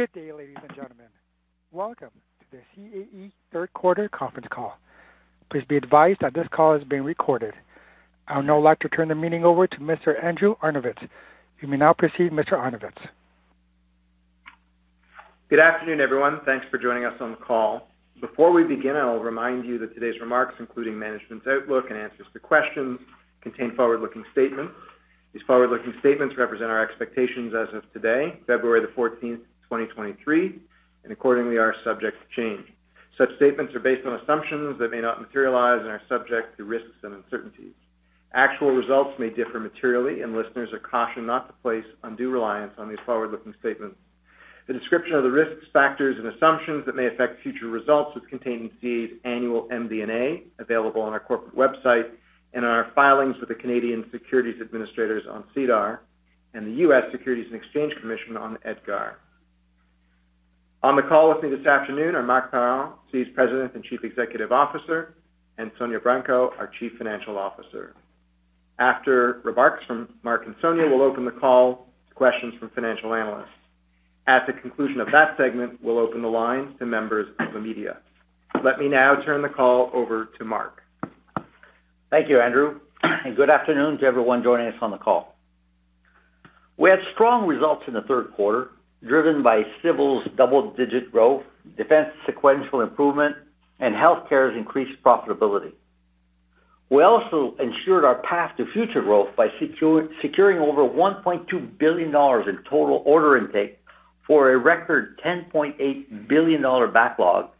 Good day, ladies and gentlemen. Welcome to the CAE third quarter conference call. Please be advised that this call is being recorded. I would now like to turn the meeting over to Mr. Andrew Arnovitz. You may now proceed, Mr. Arnovitz. Good afternoon, everyone. Thanks for joining us on the call. Before we begin, I will remind you that today's remarks, including management's outlook and answers to questions, contain forward-looking statements. These forward-looking statements represent our expectations as of today, February the 14th, 2023, and accordingly are subject to change. Such statements are based on assumptions that may not materialize and are subject to risks and uncertainties. Actual results may differ materially, and listeners are cautioned not to place undue reliance on these forward-looking statements. The description of the risks, factors, and assumptions that may affect future results is contained in CAE's annual MD&A, available on our corporate website and in our filings with the Canadian Securities Administrators on SEDAR and the U.S. Securities and Exchange Commission on EDGAR. On the call with me this afternoon are Marc Parent, CAE's President and Chief Executive Officer, and Sonya Branco, our Chief Financial Officer. After remarks from Marc and Sonya, we'll open the call to questions from financial analysts. At the conclusion of that segment, we'll open the line to members of the media. Let me now turn the call over to Marc. Thank you, Andrew, and good afternoon to everyone joining us on the call. We had strong results in the third quarter, driven by Civil's double-digit growth, Defense sequential improvement, and Healthcare's increased profitability. We also ensured our path to future growth by securing over 1.2 billion dollars in total order intake for a record 10.8 billion dollar backlog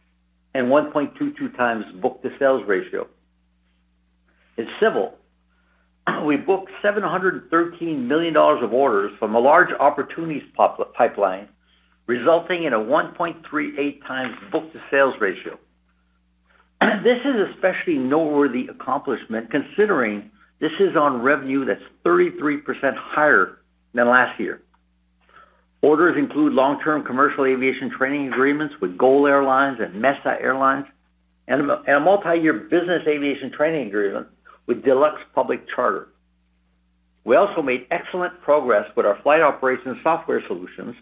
and 1.22 times book-to-sales ratio. In Civil, we booked 713 million dollars of orders from a large opportunities pipeline, resulting in a 1.38 times book-to-sales ratio. This is especially noteworthy accomplishment considering this is on revenue that's 33% higher than last year. Orders include long-term commercial aviation training agreements with GOL Airlines and Mesa Airlines, and a multi-year business aviation training agreement with Delux Public Charter. We also made excellent progress with our flight operations software solutions,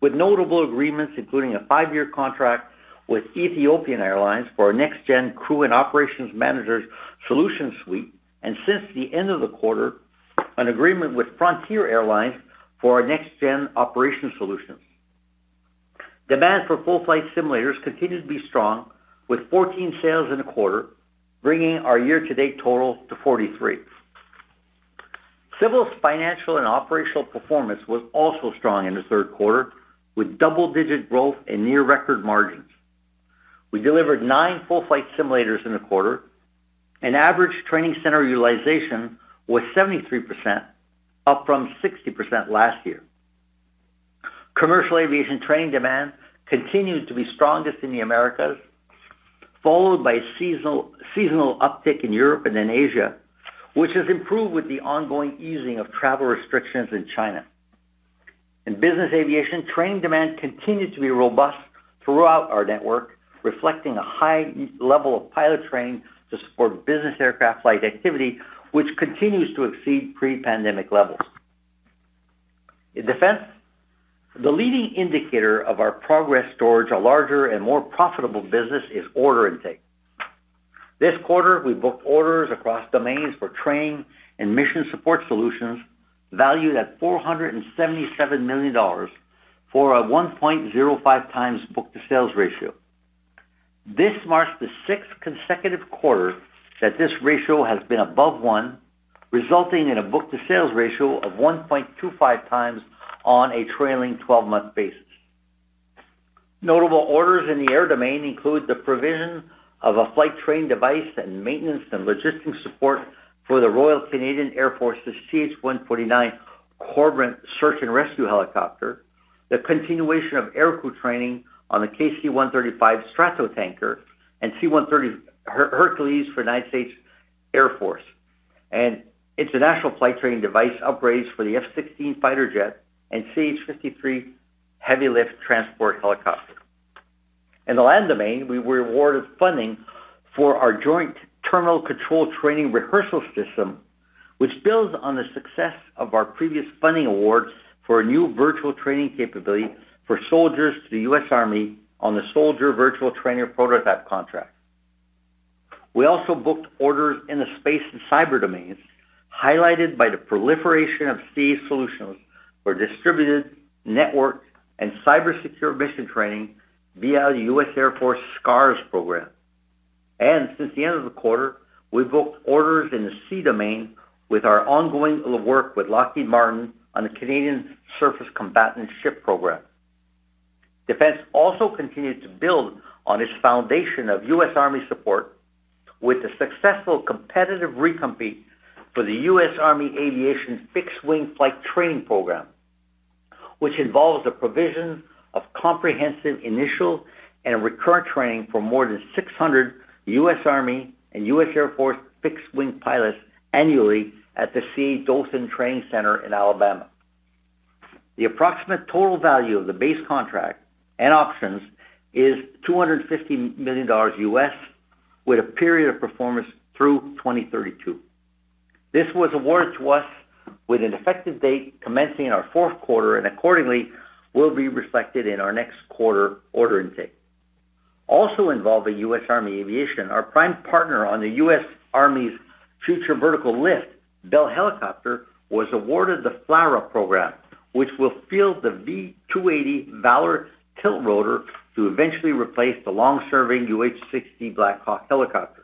with notable agreements including a five year contract with Ethiopian Airlines for our next gen crew and operations managers solution suite. Since the end of the quarter, an agreement with Frontier Airlines for our next gen operation solutions. Demand for full-flight simulators continued to be strong with 14 sales in a quarter, bringing our year-to-date total to 43. Civil's financial and operational performance was also strong in the third quarter, with double-digit growth and near record margins. We delivered nine full-flight simulators in the quarter. Average training center utilization was 73%, up from 60% last year. Commercial aviation training demand continued to be strongest in the Americas, followed by seasonal uptick in Europe and in Asia, which has improved with the ongoing easing of travel restrictions in China. In business aviation, training demand continued to be robust throughout our network, reflecting a high level of pilot training to support business aircraft flight activity, which continues to exceed pre-pandemic levels. In Defense, the leading indicator of our progress towards a larger and more profitable business is order intake. This quarter, we booked orders across domains for training and mission support solutions valued at 477 million dollars for a 1.05 times book-to-sales ratio. This marks the sixth consecutive quarter that this ratio has been above one, resulting in a book-to-sales ratio of 1.25 times on a trailing twelve-month basis. Notable orders in the air domain include the provision of a flight training device and maintenance and logistics support for the Royal Canadian Air Force's CH-149 Cormorant search and rescue helicopter, the continuation of air crew training on the KC-135 Stratotanker and C-130 Hercules for United States Air Force, and international flight training device upgrades for the F-16 fighter jet and CH-53 heavy lift transport helicopter. In the land domain, we were awarded funding for our Joint Terminal Control Training Rehearsal System, which builds on the success of our previous funding awards for a new virtual training capability for soldiers to the U.S. Army on the Soldier Virtual Trainer Prototype contract. We also booked orders in the space and cyber domains, highlighted by the proliferation of CAE solutions for distributed network and cyber secure mission training via the U.S. Air Force SCARS program. Since the end of the quarter, we booked orders in the sea domain with our ongoing work with Lockheed Martin on the Canadian Surface Combatant Ship program. Defense also continued to build on its foundation of U.S. Army support with the successful competitive re-compete for the U.S. Army Aviation Fixed-Wing Flight Training program, which involves the provision of comprehensive initial and recurrent training for more than 600 U.S. Army and U.S. Air Force fixed-wing pilots annually at the CAE Dothan Training Center in Alabama. The approximate total value of the base contract and options is $250 million, with a period of performance through 2032. This was awarded to us with an effective date commencing in our fourth quarter and accordingly will be reflected in our next quarter order intake. Also involving U.S. Army Aviation, our prime partner on the U.S. Army's Future Vertical Lift, Bell Textron, was awarded the FLRAA program, which will field the V-280 Valor Tiltrotor to eventually replace the long-serving UH-60 Black Hawk helicopter.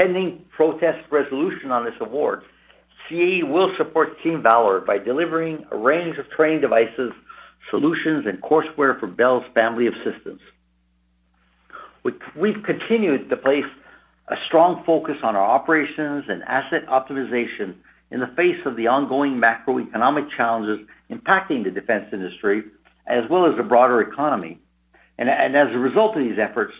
Pending protest resolution on this award, CAE will support Team Valor by delivering a range of training devices, solutions, and courseware for Bell's family of systems. We've continued to place a strong focus on our operations and asset optimization in the face of the ongoing macroeconomic challenges impacting the defense industry as well as the broader economy. As a result of these efforts,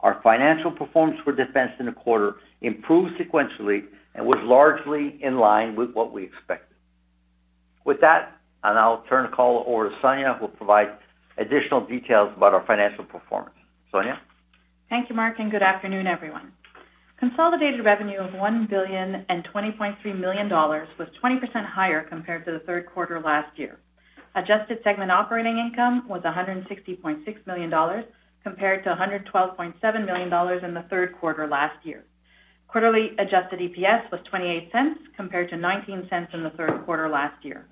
our financial performance for defense in the quarter improved sequentially and was largely in line with what we expected. With that, I'll turn the call over to Sonya, who will provide additional details about our financial performance. Sonya? Thank you, Marc, good afternoon, everyone. Consolidated revenue of 1,020.3 million dollars was 20% higher compared to the third quarter last year. Adjusted segment operating income was 160.6 million dollars compared to 112.7 million dollars in the third quarter last year. Quarterly adjusted EPS was 0.28 compared to 0.19 in the third quarter last year.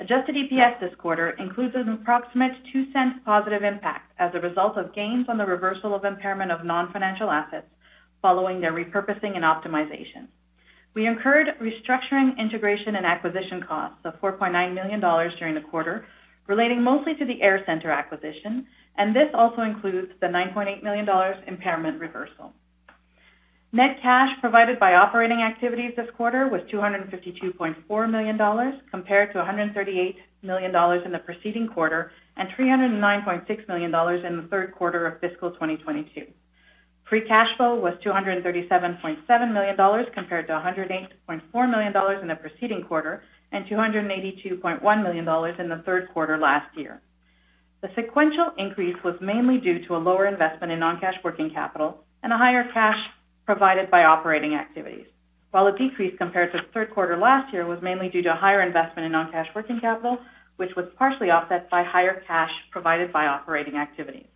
Adjusted EPS this quarter includes an approximate 0.02 positive impact as a result of gains on the reversal of impairment of non-financial assets following their repurposing and optimization. We incurred restructuring, integration, and acquisition costs of 49 million dollars during the quarter, relating mostly to the AirCentre acquisition. This also includes the 9.8 million dollars impairment reversal. Net cash provided by operating activities this quarter was $252.4 million compared to $138 million in the preceding quarter and $309.6 million in the third quarter of fiscal 2022. Free cash flow was $237.7 million compared to $108.4 million in the preceding quarter and $282.1 million in the third quarter last year. The sequential increase was mainly due to a lower investment in non-cash working capital and a higher cash provided by operating activities, while a decrease compared to the third quarter last year was mainly due to a higher investment in non-cash working capital, which was partially offset by higher cash provided by operating activities.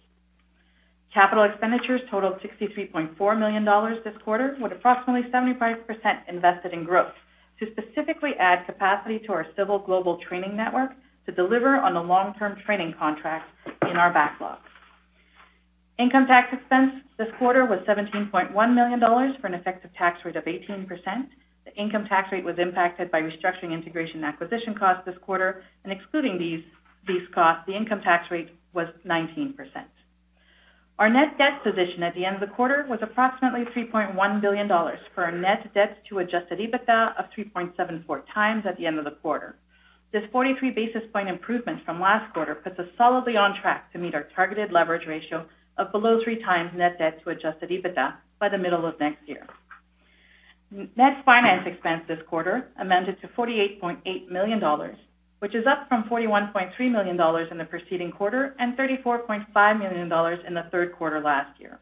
Capital expenditures totaled $63.4 million this quarter, with approximately 75% invested in growth to specifically add capacity to our civil global training network to deliver on the long-term training contracts in our backlog. Income tax expense this quarter was $17.1 million for an effective tax rate of 18%. The income tax rate was impacted by restructuring integration and acquisition costs this quarter, and excluding these costs, the income tax rate was 19%. Our net debt position at the end of the quarter was approximately $3.1 billion for our net debt to adjusted EBITDA of 3.74x at the end of the quarter. This 43 basis points improvement from last quarter puts us solidly on track to meet our targeted leverage ratio of below 3x net debt to adjusted EBITDA by the middle of next year. Net finance expense this quarter amounted to 48.8 million dollars, which is up from 41.3 million dollars in the preceding quarter and 34.5 million dollars in the third quarter last year.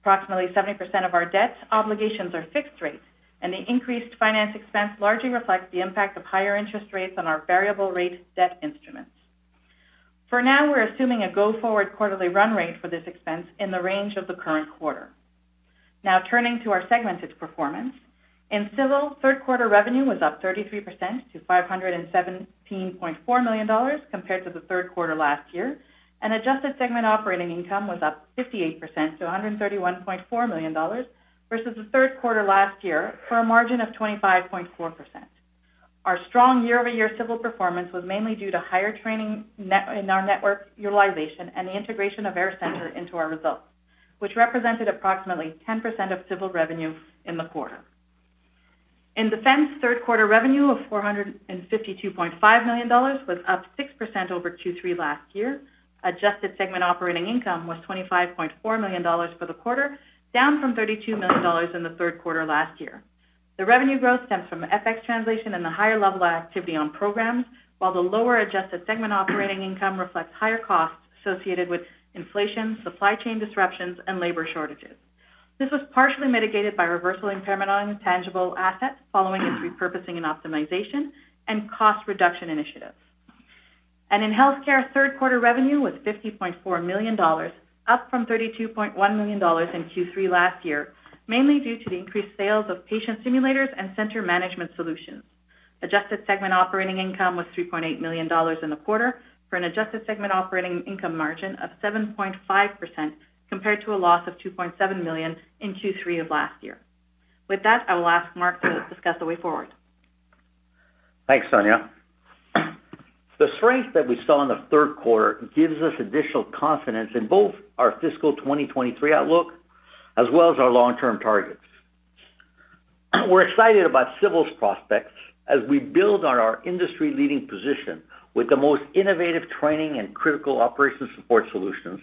Approximately 70% of our debt obligations are fixed rate, and the increased finance expense largely reflects the impact of higher interest rates on our variable rate debt instruments. For now, we're assuming a go-forward quarterly run rate for this expense in the range of the current quarter. Now turning to our segmented performance. In civil, third quarter revenue was up 33% to 517.4 million dollars compared to the third quarter last year, and adjusted segment operating income was up 58% to 131.4 million dollars versus the third quarter last year for a margin of 25.4%. Our strong year-over-year civil performance was mainly due to higher training in our network utilization and the integration of AirCentre into our results, which represented approximately 10% of civil revenue in the quarter. In defense, third quarter revenue of 452.5 million dollars was up 6% over Q3 last year. Adjusted segment operating income was 25.4 million dollars for the quarter, down from 32 million dollars in the third quarter last year. The revenue growth stems from FX translation and the higher level of activity on programs, while the lower adjusted segment operating income reflects higher costs associated with inflation, supply chain disruptions, and labor shortages. This was partially mitigated by reversal impairment on tangible assets following its repurposing and optimization, and cost reduction initiatives. In healthcare, third quarter revenue was $50.4 million CAD, up from $32.1 million CAD in Q3 last year, mainly due to the increased sales of patient simulators and center management solutions. Adjusted segment operating income was $3.8 million CAD in the quarter for an adjusted segment operating income margin of 7.5% compared to a loss of $2.7 million CAD in Q3 of last year. With that, I will ask Marc to discuss the way forward. Thanks, Sonya. The strength that we saw in the third quarter gives us additional confidence in both our fiscal 2023 outlook as well as our long-term targets. We're excited about civil's prospects as we build on our industry-leading position with the most innovative training and critical operations support solutions,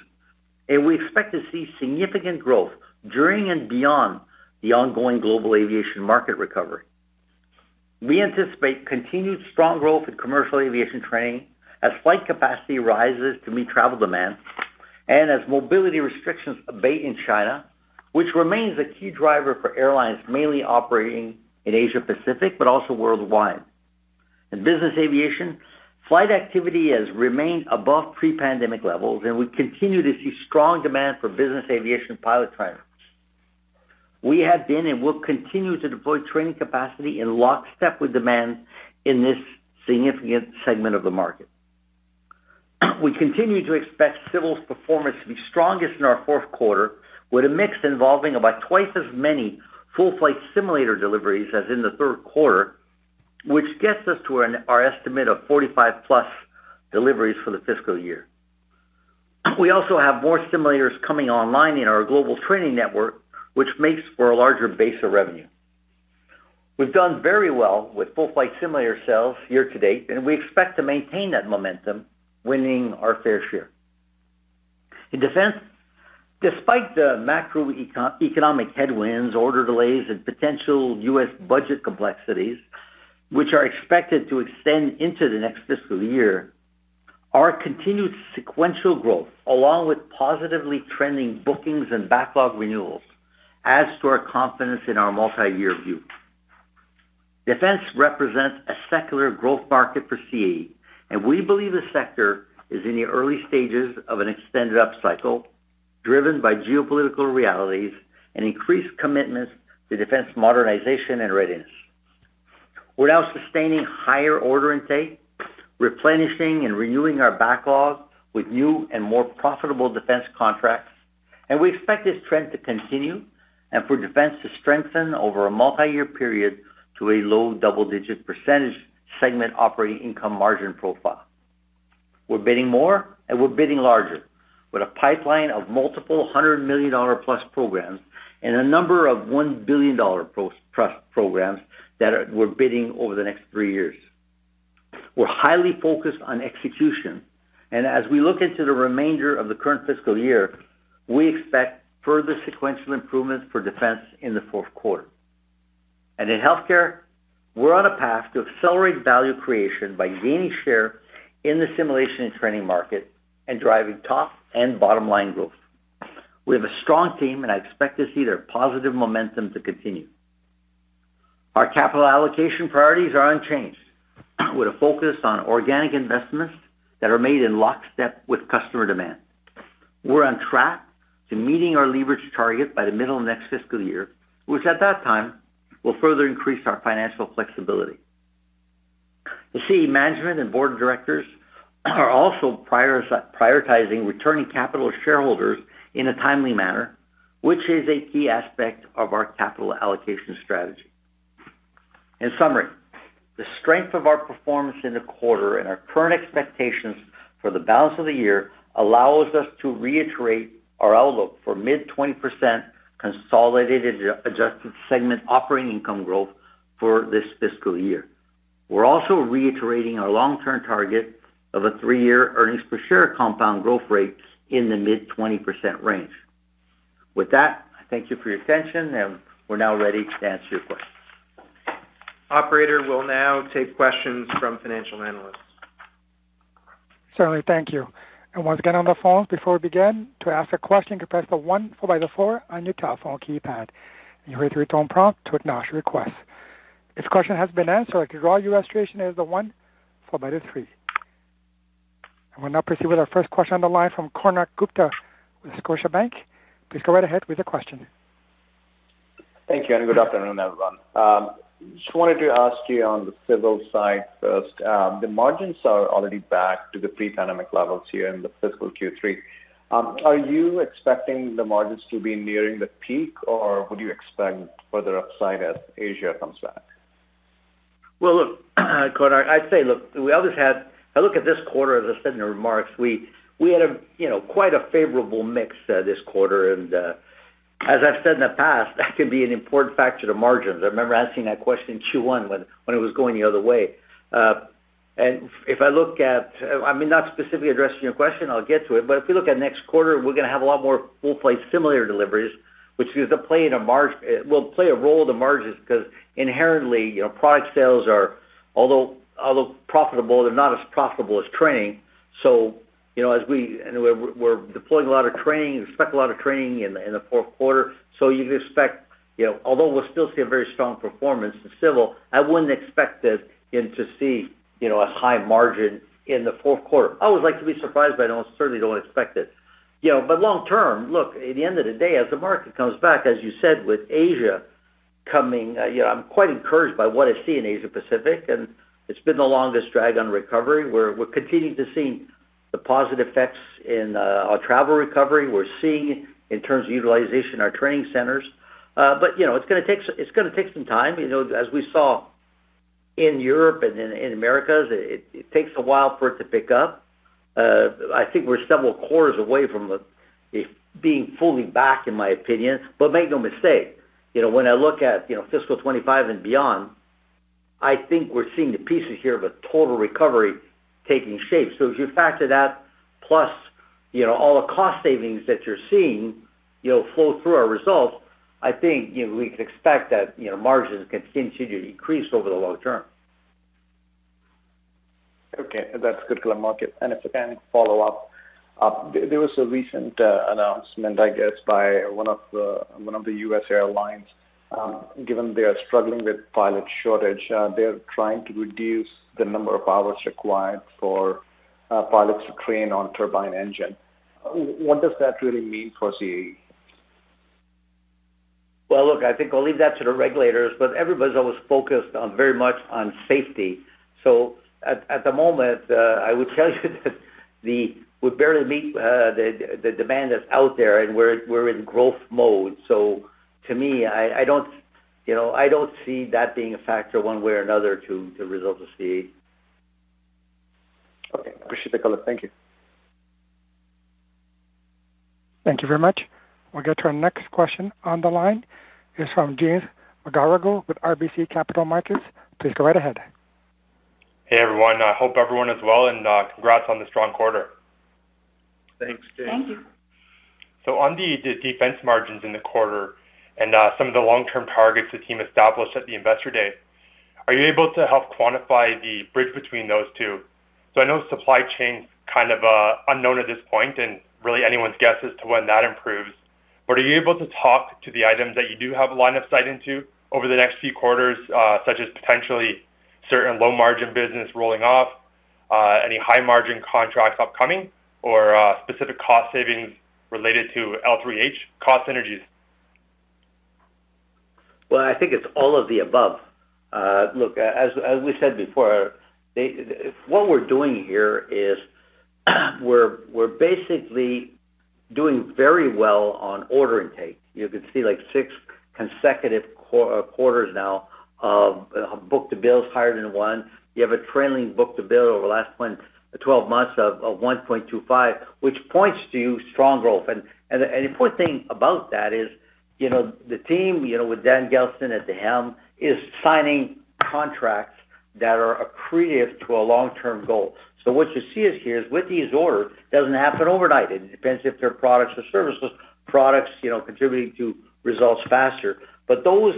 and we expect to see significant growth during and beyond the ongoing global aviation market recovery. We anticipate continued strong growth in commercial aviation training as flight capacity rises to meet travel demand and as mobility restrictions abate in China, which remains a key driver for airlines mainly operating in Asia Pacific but also worldwide. In business aviation, flight activity has remained above pre-pandemic levels, and we continue to see strong demand for business aviation pilot training. We have been and will continue to deploy training capacity in lockstep with demand in this significant segment of the market. We continue to expect Civil's performance to be strongest in our fourth quarter, with a mix involving about twice as many full-flight simulator deliveries as in the third quarter, which gets us to our estimate of 45+ deliveries for the fiscal year. We also have more simulators coming online in our global training network, which makes for a larger base of revenue. We've done very well with full-flight simulator sales year-to-date, and we expect to maintain that momentum, winning our fair share. In Defense, despite the macroeconomic headwinds, order delays, and potential U.S. budget complexities, which are expected to extend into the next fiscal year, our continued sequential growth, along with positively trending bookings and backlog renewals, adds to our confidence in our multiyear view. Defense represents a secular growth market for CAE, and we believe the sector is in the early stages of an extended upcycle driven by geopolitical realities and increased commitments to defense modernization and readiness. We're now sustaining higher order intake, replenishing and renewing our backlog with new and more profitable defense contracts, and we expect this trend to continue and for defense to strengthen over a multiyear period to a low double-digit % segment operating income margin profile. We're bidding more, and we're bidding larger, with a pipeline of multiple hundred million dollar-plus programs and a number of $1 billion pro-trust programs we're bidding over the next three years. We're highly focused on execution, and as we look into the remainder of the current fiscal year, we expect further sequential improvements for defense in the fourth quarter. In healthcare, we're on a path to accelerate value creation by gaining share in the simulation and training market and driving top and bottom-line growth. We have a strong team. I expect to see their positive momentum to continue. Our capital allocation priorities are unchanged with a focus on organic investments that are made in lockstep with customer demand. We're on track to meeting our leverage target by the middle of next fiscal year, which at that time will further increase our financial flexibility. The CAE management and board of directors are also prioritizing returning capital to shareholders in a timely manner, which is a key aspect of our capital allocation strategy. In summary, the strength of our performance in the quarter and our current expectations for the balance of the year allows us to reiterate our outlook for mid 20% consolidated adjusted segment operating income growth for this fiscal year. We're also reiterating our long-term target of a three-year earnings per share compound growth rate in the mid 20% range. With that, I thank you for your attention, and we're now ready to answer your questions. Operator, we'll now take questions from financial analysts. Certainly. Thank you. Once again, on the phone, before we begin, to ask a question, you can press one followed by four on your telephone keypad. You'll hear the return prompt to acknowledge your request. If the question has been answered, to withdraw your request, you enter one followed by three. We'll now proceed with our first question on the line from Konark Gupta with Scotiabank. Please go right ahead with your question. Thank you, good afternoon, everyone. Just wanted to ask you on the civil side first, the margins are already back to the pre-pandemic levels here in the fiscal Q3. Are you expecting the margins to be nearing the peak, or would you expect further upside as Asia comes back? Look, Konark, I'd say, look, we always had... I look at this quarter, as I said in the remarks, we had a, you know, quite a favorable mix this quarter, and as I've said in the past, that could be an important factor to margins. I remember answering that question in Q1 when it was going the other way. If I look at, I mean, not specifically addressing your question, I'll get to it, but if you look at next quarter, we're gonna have a lot more full-flight simulator deliveries, which is gonna play a role in the margins because inherently, you know, product sales are, although profitable, they're not as profitable as training. you know, we're deploying a lot of training, we expect a lot of training in the fourth quarter. you can expect, you know, although we'll still see a very strong performance in civil, I wouldn't expect it to see, you know, a high margin in the fourth quarter. I would like to be surprised, I certainly don't expect it. long term, look, at the end of the day, as the market comes back, as you said, with Asia coming, you know, I'm quite encouraged by what I see in Asia Pacific, it's been the longest drag on recovery. We're continuing to see the positive effects in our travel recovery. We're seeing in terms of utilization our training centers. you know, it's gonna take some time. You know, as we saw in Europe and in Americas, it takes a while for it to pick up. I think we're several quarters away from it being fully back, in my opinion. Make no mistake, you know, when I look at, you know, fiscal 2025 and beyond, I think we're seeing the pieces here of a total recovery taking shape. As you factor that plus, you know, all the cost savings that you're seeing, you'll flow through our results. I think, you know, we can expect that, you know, margins continue to increase over the long term. Okay. That's a good clear market. If I can follow up. There was a recent announcement, I guess, by one of the, one of the U.S. airlines. Given they are struggling with pilot shortage, they're trying to reduce the number of hours required for pilots to train on turbine engine. What does that really mean for CAE? Well, look, I think I'll leave that to the regulators, but everybody's always focused on very much on safety. At the moment, I would tell you that We barely meet the demand that's out there, and we're in growth mode. To me, I don't, you know, I don't see that being a factor one way or another to results of CAE. Okay. Appreciate the call. Thank you. Thank you very much. We'll get to our next question on the line. It's from James McGarragle with RBC Capital Markets. Please go right ahead. Hey, everyone. I hope everyone is well, and congrats on the strong quarter. Thanks, James. Thank you. On the defense margins in the quarter and some of the long-term targets the team established at the investor day, are you able to help quantify the bridge between those two? I know supply chain's kind of unknown at this point and really anyone's guess as to when that improves. Are you able to talk to the items that you do have a line of sight into over the next few quarters, such as potentially certain low margin business rolling off, any high margin contracts upcoming or specific cost savings related to L3H cost synergies? Well, I think it's all of the above. look, as we said before, what we're doing here is we're basically doing very well on order intake. You could see, like, six consecutive quarters now of book-to-sales is higher than one. You have a trailing book-to-sales over the last 12 months of 1.25, which points to strong growth. the important thing about that is, you know, the team, you know, with Dan Gelston at the helm, is signing contracts that are accretive to a long-term goal. What you see us here is with these orders, it doesn't happen overnight. It depends if they're products or services. Products, you know, contributing to results faster. Those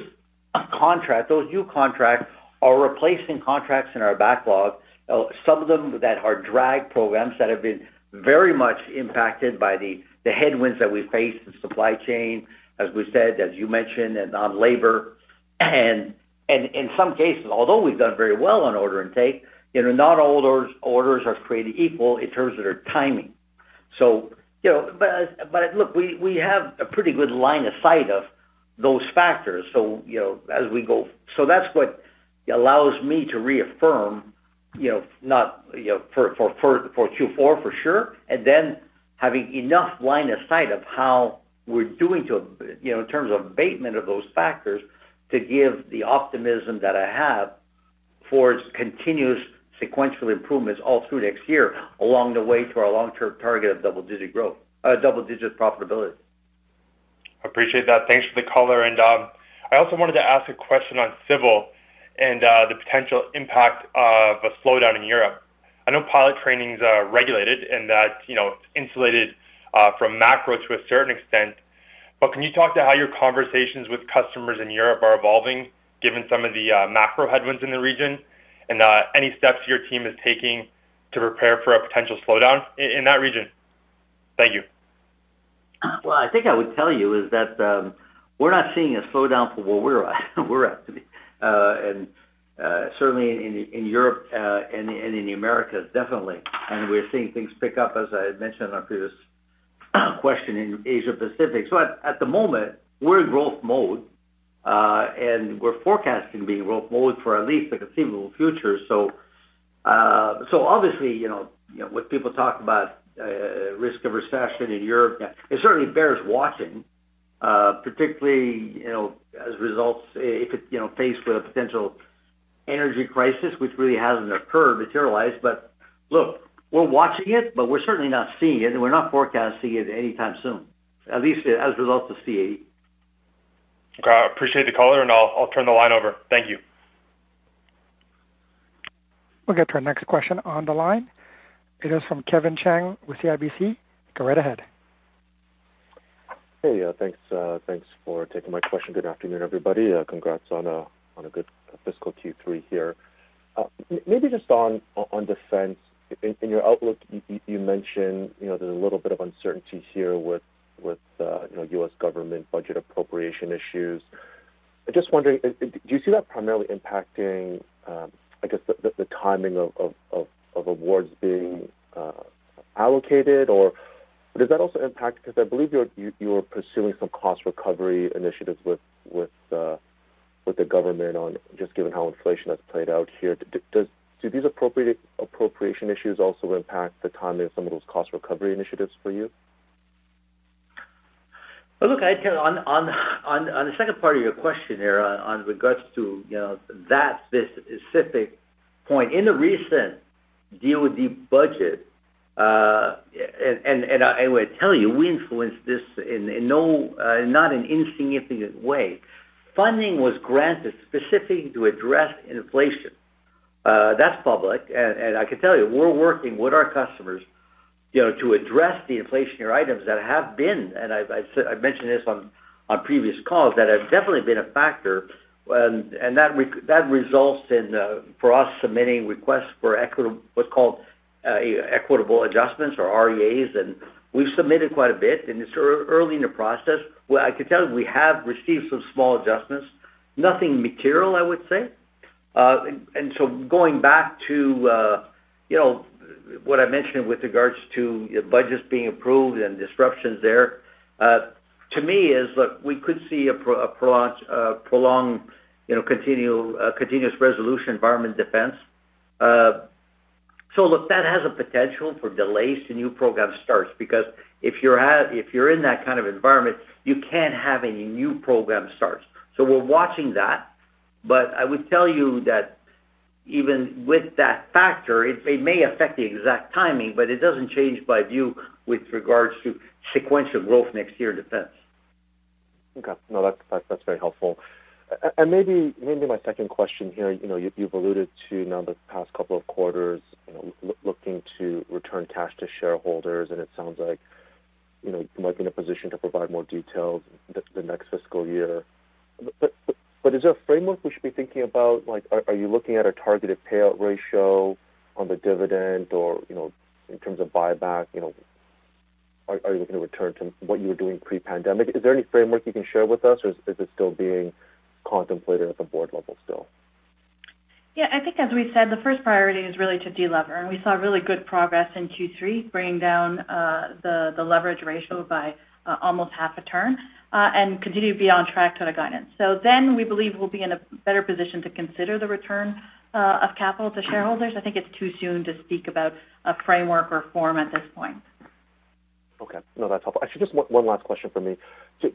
contracts, those new contracts are replacing contracts in our backlog. Some of them that are drag programs that have been very much impacted by the headwinds that we face in supply chain, as we said, as you mentioned, and on labor. In some cases, although we've done very well on order intake, you know, not all orders are created equal in terms of their timing. You know, but look, we have a pretty good line of sight of those factors. You know, as we go... That's what allows me to reaffirm, you know, not, you know, for Q4 for sure, and then having enough line of sight of how we're doing to, you know, in terms of abatement of those factors to give the optimism that I have for continuous sequential improvements all through next year along the way to our long-term target of double-digit growth, double-digit profitability. Appreciate that. Thanks for the color. I also wanted to ask a question on civil and the potential impact of a slowdown in Europe. I know pilot training is regulated and that, you know, insulated from macro to a certain extent. Can you talk to how your conversations with customers in Europe are evolving given some of the macro headwinds in the region and any steps your team is taking to prepare for a potential slowdown in that region? Thank you. Well, I think I would tell you is that, we're not seeing a slowdown from where we're at. Certainly in Europe, and in the Americas, definitely. We're seeing things pick up, as I mentioned on our previous question in Asia Pacific. At the moment, we're in growth mode, and we're forecasting being growth mode for at least the conceivable future. Obviously, you know, you know, when people talk about risk of recession in Europe, it certainly bears watching, particularly, you know, as results if it, you know, faced with a potential energy crisis, which really hasn't occurred, materialized. Look, we're watching it, but we're certainly not seeing it, and we're not forecasting it anytime soon, at least as a result of CAE. Okay. I appreciate the color, and I'll turn the line over. Thank you. We'll get to our next question on the line. It is from Kevin Chiang with CIBC. Go right ahead. Hey. Thanks, thanks for taking my question. Good afternoon, everybody. Maybe just on defense. In your outlook, you mentioned, you know, there's a little bit of uncertainty here with, you know, U.S. government budget appropriation issues. I'm just wondering, do you see that primarily impacting, I guess, the timing of awards being allocated, or does that also impact? Because I believe you're pursuing some cost recovery initiatives with the government on just given how inflation has played out here. Do these appropriation issues also impact the timing of some of those cost recovery initiatives for you? Look, I'd go on the second part of your question here on regards to, you know, that specific point. In the recent DoD budget, and I would tell you, we influenced this in no, not an insignificant way. Funding was granted specifically to address inflation. That's public. I can tell you, we're working with our customers, you know, to address the inflationary items that have been, and I've mentioned this on previous calls, that have definitely been a factor. That results in for us submitting requests for equitable adjustments or REAs, and we've submitted quite a bit, and it's early in the process. Well, I can tell you, we have received some small adjustments, nothing material, I would say. Going back to, you know, what I mentioned with regards to budgets being approved and disruptions there, to me is, look, we could see a prolonged, you know, continuing resolution environment defense. Look, that has a potential for delays to new program starts because if you're in that kind of environment, you can't have any new program starts. We're watching that. I would tell you that even with that factor, it may affect the exact timing, but it doesn't change my view with regards to sequential growth next year in defense. Okay. No, that's very helpful. Maybe, maybe my second question here, you know, you've alluded to, you know, the past couple of quarters, you know, looking to return cash to shareholders, and it sounds like, you know, you might be in a position to provide more details the next fiscal year. Is there a framework we should be thinking about? Like, are you looking at a targeted payout ratio on the dividend or, you know, in terms of buyback? You know, are you looking to return to what you were doing pre-pandemic? Is there any framework you can share with us, or is it still being contemplated at the board level still? Yeah, I think as we said, the first priority is really to delever. We saw really good progress in Q3, bringing down the leverage ratio by almost half a turn, and continue to be on track to the guidance. We believe we'll be in a better position to consider the return of capital to shareholders. I think it's too soon to speak about a framework or form at this point. Okay. No, that's helpful. Actually, just one last question from me.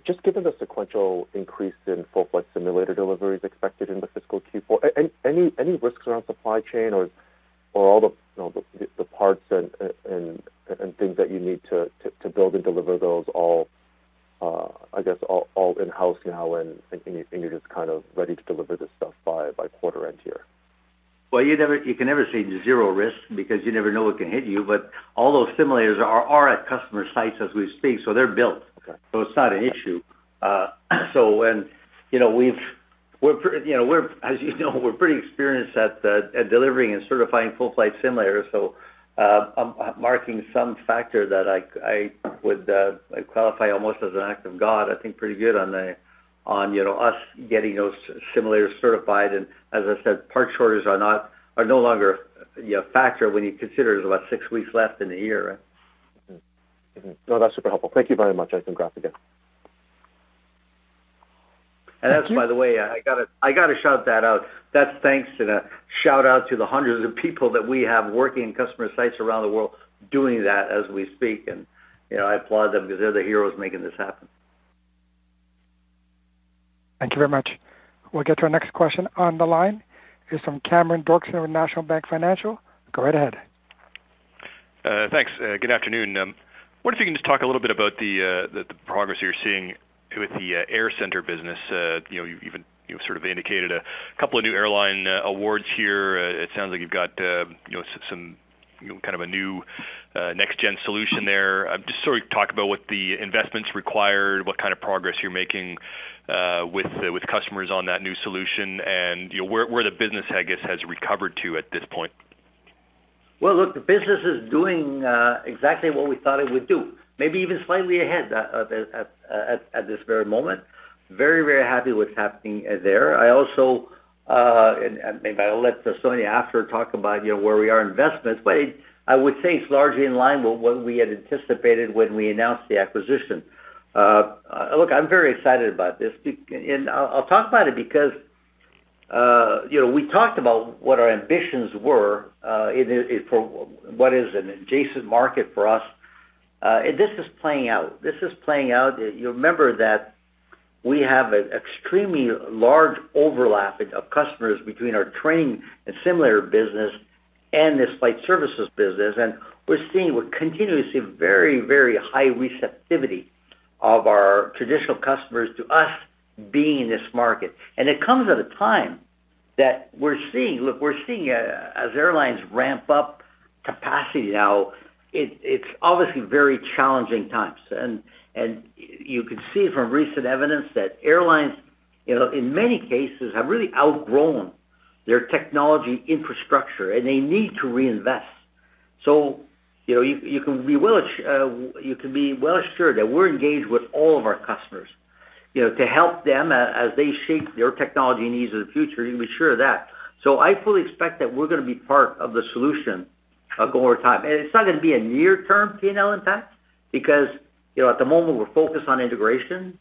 Just given the sequential increase in full flight simulator deliveries expected in the fiscal Q4, any risks around supply chain or all the, you know, the parts and things that you need to build and deliver those all, I guess, all in-house now and you're just kind of ready to deliver this stuff by quarter end year? You can never say zero risk because you never know what can hit you. All those simulators are at customer sites as we speak. They're built. Okay. It's not an issue. When you know, we're, you know, we're, as you know, we're pretty experienced at delivering and certifying full-flight simulators. I'm marking some factor that I would qualify almost as an act of God, I think pretty good on, you know, us getting those simulators certified. As I said, part shortages are no longer, you know, a factor when you consider there's about six weeks left in the year, right? No, that's super helpful. Thank you very much. I can grasp again. That's, by the way, I gotta shout that out. That's thanks to the shout out to the hundreds of people that we have working in customer sites around the world doing that as we speak. You know, I applaud them because they're the heroes making this happen. Thank you very much. We'll get to our next question on the line is from Cameron Doerksen with National Bank Financial. Go right ahead. noon. I wonder if you can just talk a little bit about the progress you're seeing with the AirCentre business. You know, you even, you sort of indicated a couple of new airline awards here. It sounds like you've got, you know, some kind of a new next gen solution there. Just sort of talk about what the investments required, what kind of progress you're making with customers on that new solution and, you know, where the business, I guess, has recovered to at this point Well, look, the business is doing exactly what we thought it would do, maybe even slightly ahead at this very moment. Very happy what's happening there. I also, and maybe I'll let Sonya after talk about, you know, where we are investments. I would say it's largely in line with what we had anticipated when we announced the acquisition. Look, I'm very excited about this. I'll talk about it because, you know, we talked about what our ambitions were for what is an adjacent market for us. This is playing out. This is playing out. You remember that we have an extremely large overlapping of customers between our training and simulator business and this flight services business. We're seeing, we're continuously very high receptivity of our traditional customers to us being in this market. It comes at a time that we're seeing as airlines ramp up capacity now, it's obviously very challenging times. You can see from recent evidence that airlines, you know, in many cases have really outgrown their technology infrastructure, and they need to reinvest. You know, you can be well assured that we're engaged with all of our customers, you know, to help them as they shape their technology needs of the future. You can be sure of that. I fully expect that we're going to be part of the solution going over time. It's not going to be a near-term P&L impact because, you know, at the moment, we're focused on integration.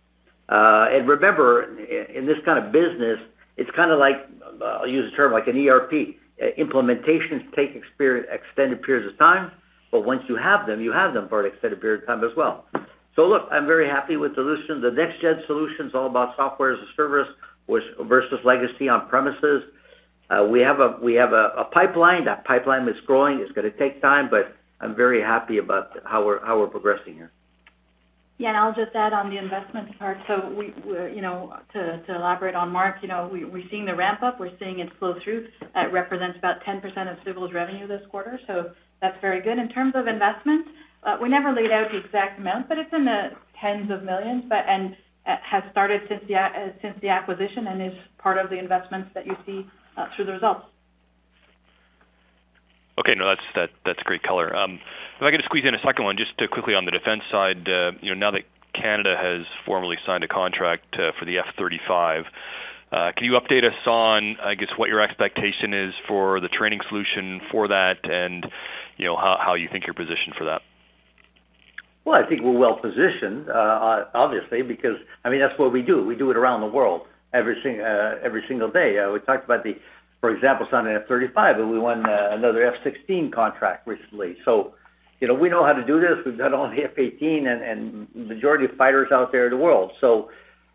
Remember, in this kind of business, it's kind of like, I'll use a term like an ERP. Implementations take extended periods of time, but once you have them, you have them for an extended period of time as well. Look, I'm very happy with the solution. The next-gen solution is all about Software as a Service versus legacy on-premises. We have a pipeline. That pipeline is growing. It's going to take time, but I'm very happy about how we're progressing here. I'll just add on the investment part. We, you know, to elaborate on Marc, you know, we're seeing the ramp up, we're seeing it flow through. That represents about 10% of Civil's revenue this quarter, so that's very good. In terms of investment, we never laid out the exact amount, but it's in the tens of millions, and has started since the acquisition, and is part of the investments that you see through the results. Okay. No, that's great color. If I could squeeze in a second one just quickly on the defense side. You know, now that Canada has formally signed a contract, for the F-35, can you update us on, I guess, what your expectation is for the training solution for that and, you know, how you think you're positioned for that? Well, I think we're well-positioned, obviously, because, I mean, that's what we do. We do it around the world every single day. We talked about the, for example, it's on an F-35, but we won another F-16 contract recently. You know, we know how to do this. We've done all the F-18 and majority of fighters out there in the world.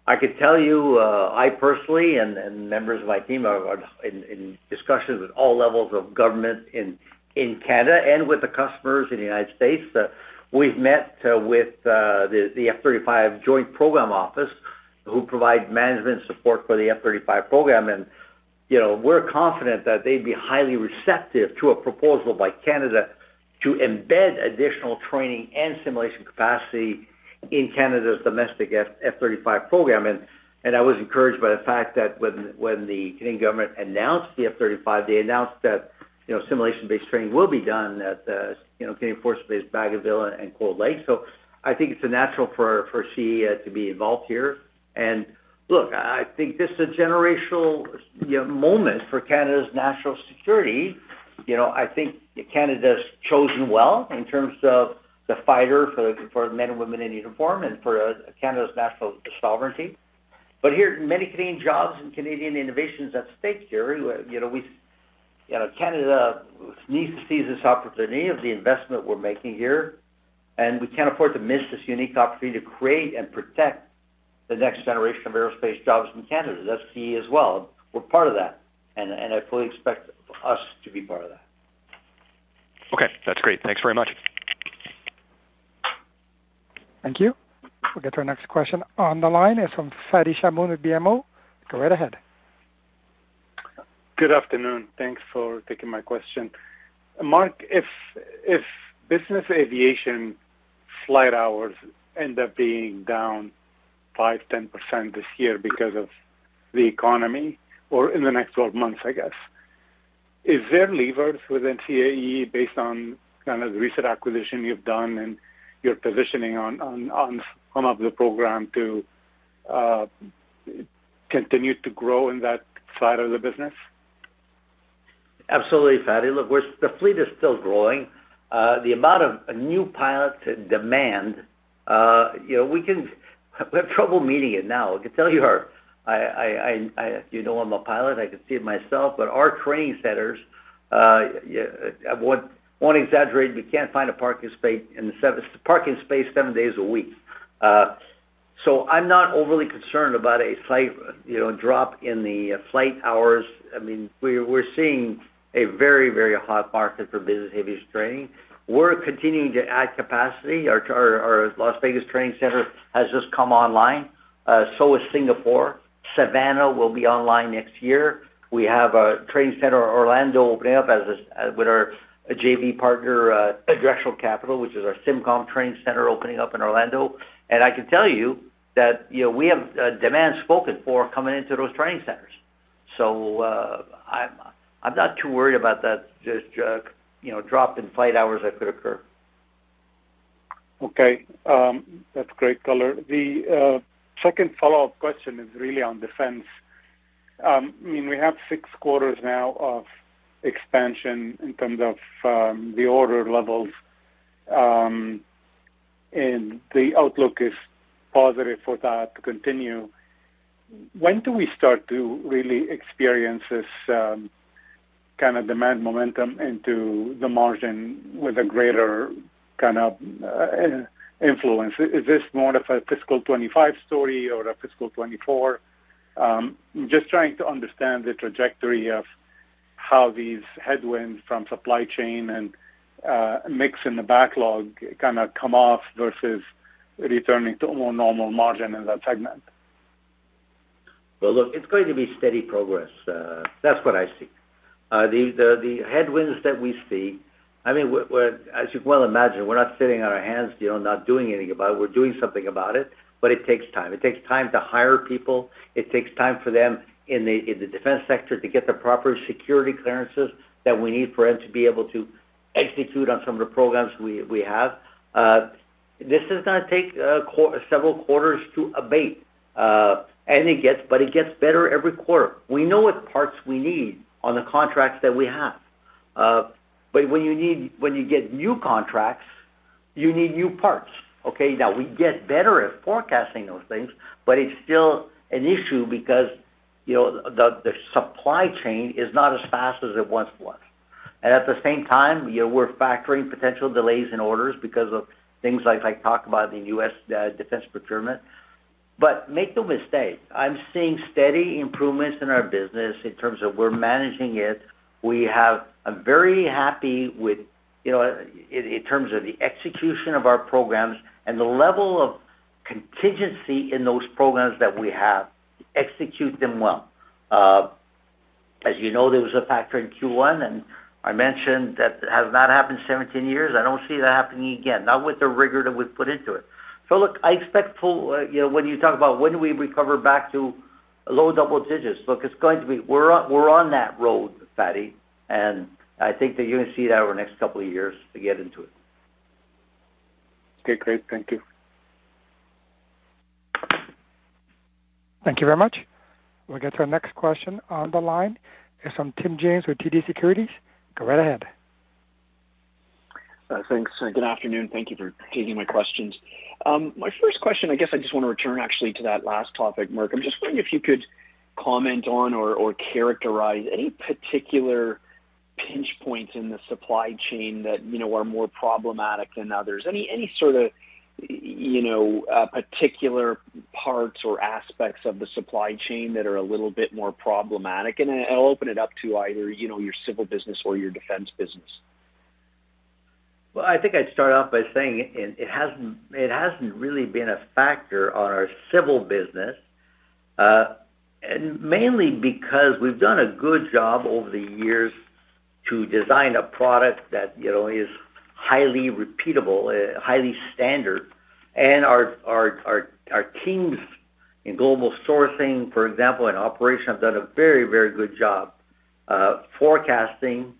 I could tell you, I personally and members of my team are in discussions with all levels of government in Canada and with the customers in the United States. We've met with the F-35 Joint Program Office who provide management support for the F-35 program. You know, we're confident that they'd be highly receptive to a proposal by Canada to embed additional training and simulation capacity in Canada's domestic F-35 program. I was encouraged by the fact that when the Canadian government announced the F-35, they announced that, you know, simulation-based training will be done at the, you know, Canadian Forces Base Bagotville and Cold Lake. I think it's a natural for CAE to be involved here. Look, I think this is a generational, you know, moment for Canada's national security. You know, I think Canada's chosen well in terms of the fighter for men and women in uniform and for Canada's national sovereignty. Here, many Canadian jobs and Canadian innovation is at stake here. You know, you know, Canada needs to seize this opportunity of the investment we're making here. We can't afford to miss this unique opportunity to create and protect the next generation of aerospace jobs in Canada. That's CAE as well. We're part of that, and I fully expect us to be part of that. Okay, that's great. Thanks very much. Thank you. We'll get to our next question on the line. It's from Fadi Chamoun with BMO. Go right ahead. Good afternoon. Thanks for taking my question. Marc, if business aviation flight hours end up being down 5%, 10% this year because of the economy or in the next 12 months, I guess, is there levers within CAE based on kind of the recent acquisition you've done and your positioning on some of the program to continue to grow in that side of the business? Absolutely, Fadi. Look, the fleet is still growing. The amount of new pilot demand, you know, we have trouble meeting it now. I can tell you know I'm a pilot, I can see it myself. Our training centers, I won't exaggerate, we can't find a parking space seven days a week. I'm not overly concerned about a slight, you know, drop in the flight hours. I mean, we're seeing a very, very hot market for business aviation training. We're continuing to add capacity. Our Las Vegas training center has just come online. Is Singapore. Savannah will be online next year. We have a training center Orlando opening up with our JV partner, Directional Capital, which is our SIMCOM training center opening up in Orlando. I can tell you that, you know, we have demand spoken for coming into those training centers. I'm not too worried about that just, you know, drop in flight hours that could occur. Okay. That's great color. The second follow-up question is really on defense. I mean, we have six quarters now of expansion in terms of the order levels, and the outlook is positive for that to continue. When do we start to really experience this kind of demand momentum into the margin with a greater kind of influence? Is this more of a fiscal 2025 story or a fiscal 2024? Just trying to understand the trajectory of how these headwinds from supply chain and mix in the backlog kinda come off versus returning to a more normal margin in that segment. Well, look, it's going to be steady progress. That's what I see. The headwinds that we see, I mean, we're as you well imagine, we're not sitting on our hands, you know, not doing anything about it. We're doing something about it. It takes time. It takes time to hire people. It takes time for them in the defense sector to get the proper security clearances that we need for them to be able to execute on some of the programs we have. This is going to take several quarters to abate. It gets better every quarter. We know what parts we need on the contracts that we have. When you get new contracts, you need new parts. Okay? Now we get better at forecasting those things, but it's still an issue because, you know, the supply chain is not as fast as it once was. At the same time, you know, we're factoring potential delays in orders because of things like I talked about in the U.S. defense procurement. Make no mistake, I'm seeing steady improvements in our business in terms of we're managing it. I'm very happy with, you know, in terms of the execution of our programs and the level of contingency in those programs that we have, execute them well. As you know, there was a factor in Q1, and I mentioned that has not happened 17 years. I don't see that happening again, not with the rigor that we've put into it. Look, I expect full, you know, when you talk about when do we recover back to low double digits. Look, we're on that road, Fadi, and I think that you're gonna see that over the next two years to get into it. Okay. Great. Thank you. Thank you very much. We'll get to our next question on the line. It's from Tim James with TD Securities. Go right ahead. Thanks, good afternoon. Thank you for taking my questions. My first question, I guess I just want to return actually to that last topic, Marc. I'm just wondering if you could comment on or characterize any particular pinch points in the supply chain that, you know, are more problematic than others. Any sort of, you know, particular parts or aspects of the supply chain that are a little bit more problematic, and I'll open it up to either, you know, your civil business or your defense business. I think I'd start off by saying it hasn't really been a factor on our civil business, and mainly because we've done a good job over the years to design a product that, you know, is highly repeatable, highly standard. Our teams in global sourcing, for example, and operation, have done a very, very good job forecasting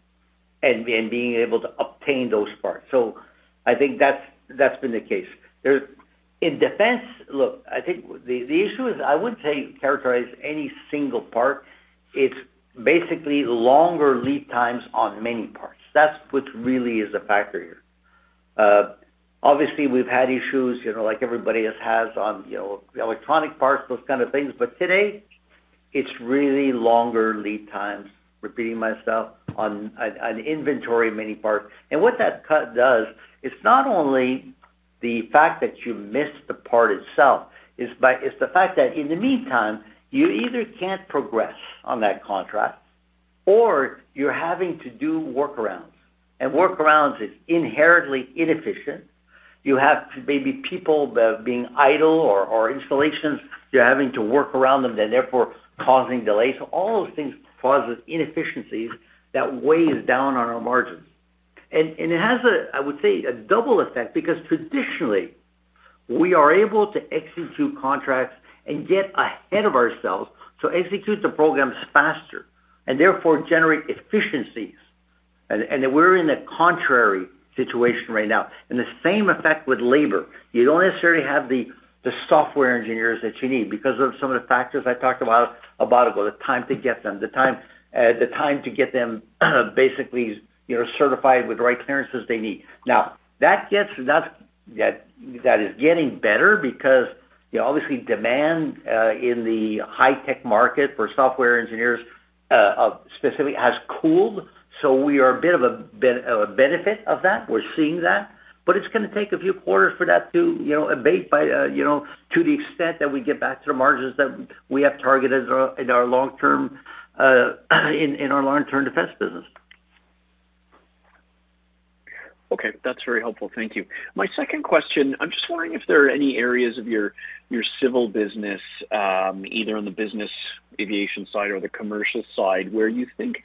and being able to obtain those parts. I think that's been the case. In defense, look, I think the issue is I wouldn't say characterize any single part. It's basically longer lead times on many parts. That's what really is a factor here. Obviously, we've had issues, you know, like everybody else has on, you know, electronic parts, those kind of things. Today, it's really longer lead times, repeating myself, on inventory, many parts. What that cut does, it's not only the fact that you missed the part itself. It's the fact that in the meantime, you either can't progress on that contract, or you're having to do workarounds. Workarounds is inherently inefficient. You have to maybe people that are being idle or installations, you're having to work around them, therefore causing delays. All those things causes inefficiencies that weighs down on our margins. It has a, I would say, a double effect because traditionally, we are able to execute contracts and get ahead of ourselves to execute the programs faster and therefore generate efficiencies. We're in a contrary situation right now. The same effect with labor. You don't necessarily have the software engineers that you need because of some of the factors I talked about ago, the time to get them, basically, you know, certified with the right clearances they need. That is getting better because, you know, obviously demand in the high tech market for software engineers specifically has cooled. We are a bit of a benefit of that. We're seeing that. It's gonna take a few quarters for that to, you know, abate by, you know, to the extent that we get back to the margins that we have targeted in our long-term defense business. Okay. That's very helpful. Thank you. My second question, I'm just wondering if there are any areas of your civil business, either on the business aviation side or the commercial side, where you think,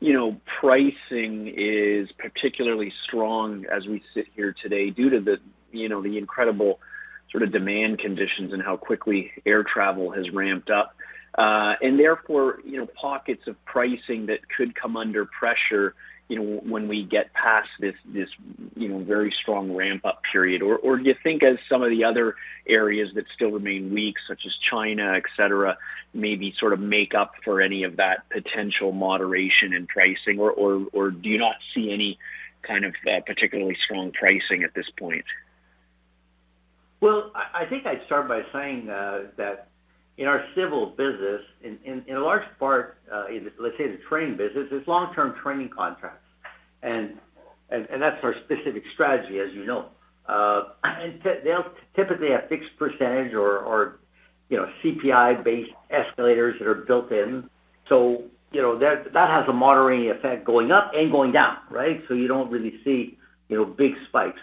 you know, pricing is particularly strong as we sit here today due to the, you know, the incredible sort of demand conditions and how quickly air travel has ramped up. Therefore, you know, pockets of pricing that could come under pressure, you know, when we get past this, you know, very strong ramp-up period. Do you think as some of the other areas that still remain weak, such as China, et cetera, maybe sort of make up for any of that potential moderation in pricing? Do you not see any kind of particularly strong pricing at this point? I think I'd start by saying that in our civil business, in large part, let's say the training business, it's long-term training contracts. That's our specific strategy, as you know. They'll typically have fixed percentage or, you know, CPI-based escalators that are built in. You know, that has a moderating effect going up and going down, right? You don't really see, you know, big spikes.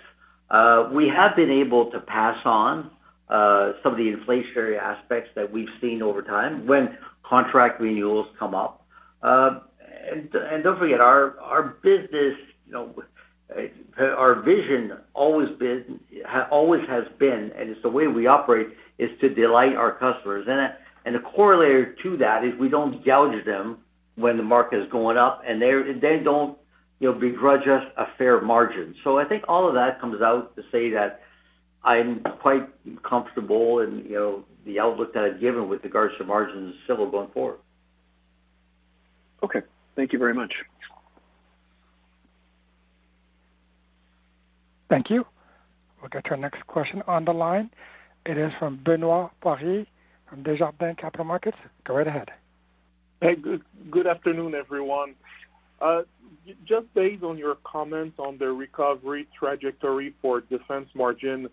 We have been able to pass on some of the inflationary aspects that we've seen over time when contract renewals come up. Don't forget, our business, you know, our vision always has been, and it's the way we operate, is to delight our customers. The corollary to that is we don't gouge them when the market is going up, and they don't, you know, begrudge us a fair margin. I think all of that comes out to say that I'm quite comfortable in, you know, the outlook that I've given with regards to margins Civil going forward. Okay. Thank you very much. Thank you. We'll get to our next question on the line. It is from Benoit Poirier from Desjardins Capital Markets. Go right ahead. Hey, good afternoon, everyone. Just based on your comments on the recovery trajectory for defense margin,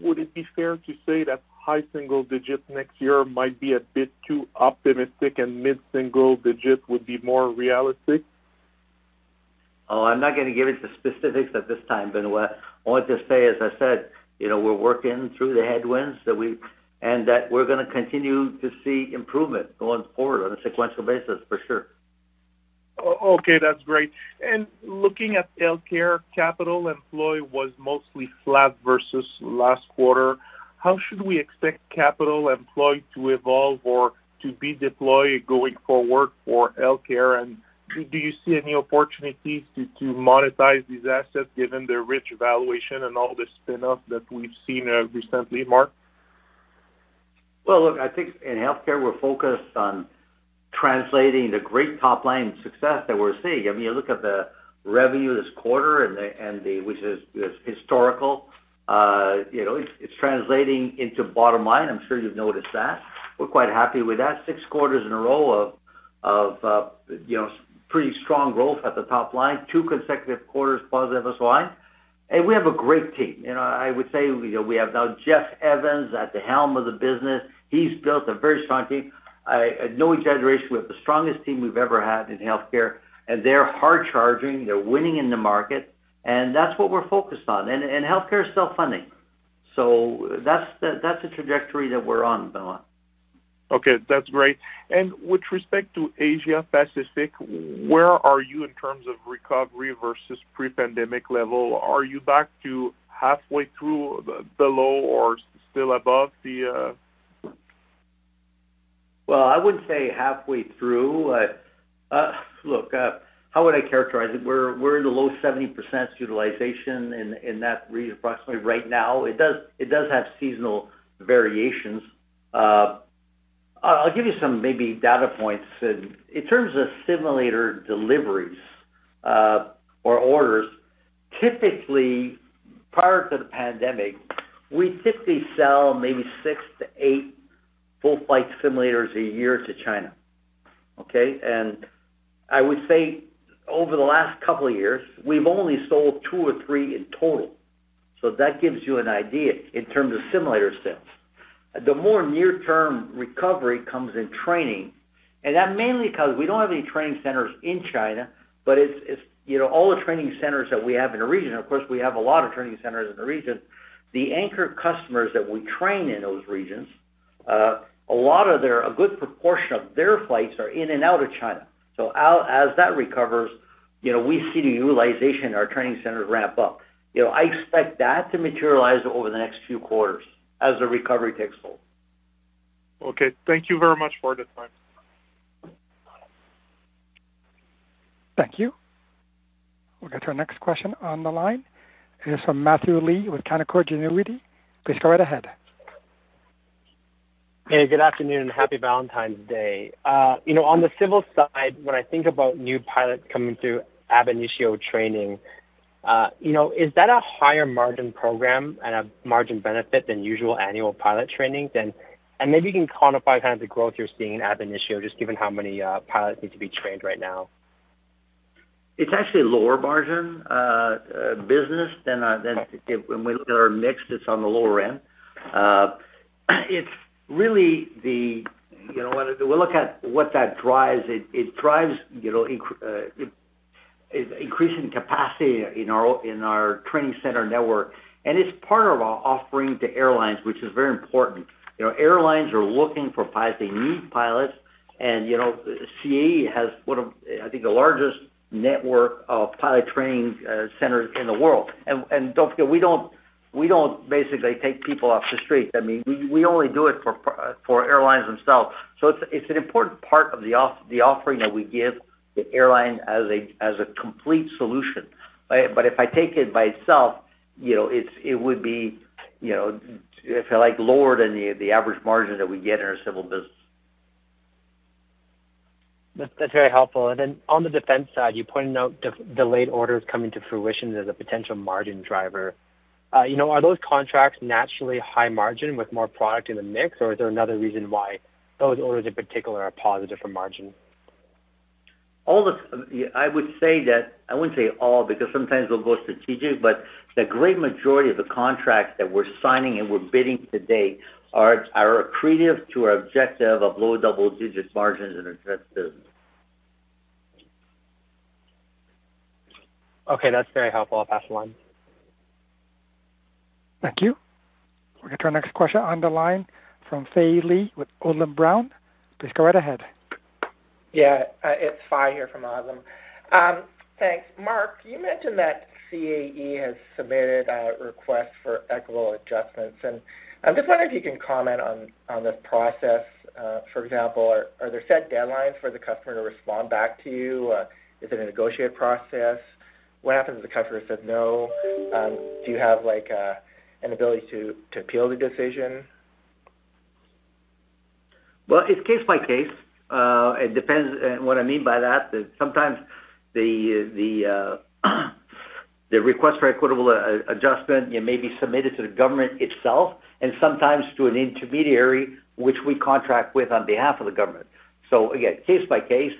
would it be fair to say that high single-digit next year might be a bit too optimistic and mid-single-digit would be more realistic? I'm not gonna get into specifics at this time, Benoit. I want to say, as I said, you know, we're working through the headwinds that we're gonna continue to see improvement going forward on a sequential basis, for sure. Okay, that's great. Looking at healthcare, capital employed was mostly flat versus last quarter. How should we expect capital employed to evolve or to be deployed going forward for healthcare? Do you see any opportunities to monetize these assets given their rich valuation and all the spin-off that we've seen recently, Marc? Well, look, I think in healthcare we're focused on translating the great top-line success that we're seeing. I mean, you look at the revenue this quarter which is historical, you know, it's translating into bottom line. I'm sure you've noticed that. We're quite happy with that. Six quarters in a row of, you know, pretty strong growth at the top line, two consecutive quarters positive S line. We have a great team. You know, I would say we have now Jeff Evans at the helm of the business. He's built a very strong team. No exaggeration, we have the strongest team we've ever had in healthcare, and they're hard charging, they're winning in the market, and that's what we're focused on. Healthcare is self-funding. That's the trajectory that we're on, Benoit. Okay, that's great. With respect to Asia Pacific, where are you in terms of recovery versus pre-pandemic level? Are you back to halfway through below or still above the? Well, I wouldn't say halfway through. Look, how would I characterize it? We're in the low 70% utilization in that region approximately right now. It does have seasonal variations. I'll give you some maybe data points. In terms of simulator deliveries or orders, typically, prior to the pandemic, we typically sell maybe six to eight full-flight simulators a year to China. Okay? I would say over the last couple of years, we've only sold two or three in total. That gives you an idea in terms of simulator sales. The more near-term recovery comes in training, and that mainly because we don't have any training centers in China, but it's, you know, all the training centers that we have in the region, of course, we have a lot of training centers in the region. The anchor customers that we train in those regions, a good proportion of their flights are in and out of China. As that recovers, you know, we see the utilization in our training centers ramp up. You know, I expect that to materialize over the next few quarters as the recovery takes hold. Okay. Thank you very much for the time. Thank you. We'll get to our next question on the line. It is from Matthew Lee with Canaccord Genuity. Please go right ahead. Hey, good afternoon and happy Valentine's Day. You know, on the civil side, when I think about new pilots coming through ab initio training, you know, is that a higher margin program and a margin benefit than usual annual pilot training then? Maybe you can quantify kind of the growth you're seeing ab initio, just given how many pilots need to be trained right now. It's actually a lower margin business than when we look at our mix, it's on the lower end. It's really the, you know, when we look at what that drives, it drives, you know, it's increasing capacity in our, in our training center network, and it's part of our offering to airlines, which is very important. You know, airlines are looking for pilots. They need pilots, and, you know, CAE has one of, I think, the largest network of pilot training centers in the world. Don't forget, we don't basically take people off the street. I mean, we only do it for airlines themselves. So it's an important part of the offering that we give the airline as a, as a complete solution. If I take it by itself, you know, it would be, you know, if you like, lower than the average margin that we get in our civil business. That's very helpful. On the defense side, you pointed out de-delayed orders coming to fruition as a potential margin driver. You know, are those contracts naturally high margin with more product in the mix, or is there another reason why those orders in particular are positive for margin? I would say that, I wouldn't say all because sometimes we'll go strategic, but the great majority of the contracts that we're signing and we're bidding today are accretive to our objective of low double-digit margins in our defense business. Okay. That's very helpful. I'll pass the line. Thank you. We'll get to our next question on the line from Fai Lee with Odlum Brown. Please go right ahead. Yeah, it's Fai here from Olam. Thanks. Marc, you mentioned that CAE has submitted a request for equitable adjustments, and I'm just wondering if you can comment on this process. For example, are there set deadlines for the customer to respond back to you? Is it a negotiated process? What happens if the customer says no? Do you have like an ability to appeal the decision? Well, it's case by case. It depends. What I mean by that is sometimes the Request for Equitable Adjustment, it may be submitted to the government itself and sometimes to an intermediary, which we contract with on behalf of the government. Again, case by case,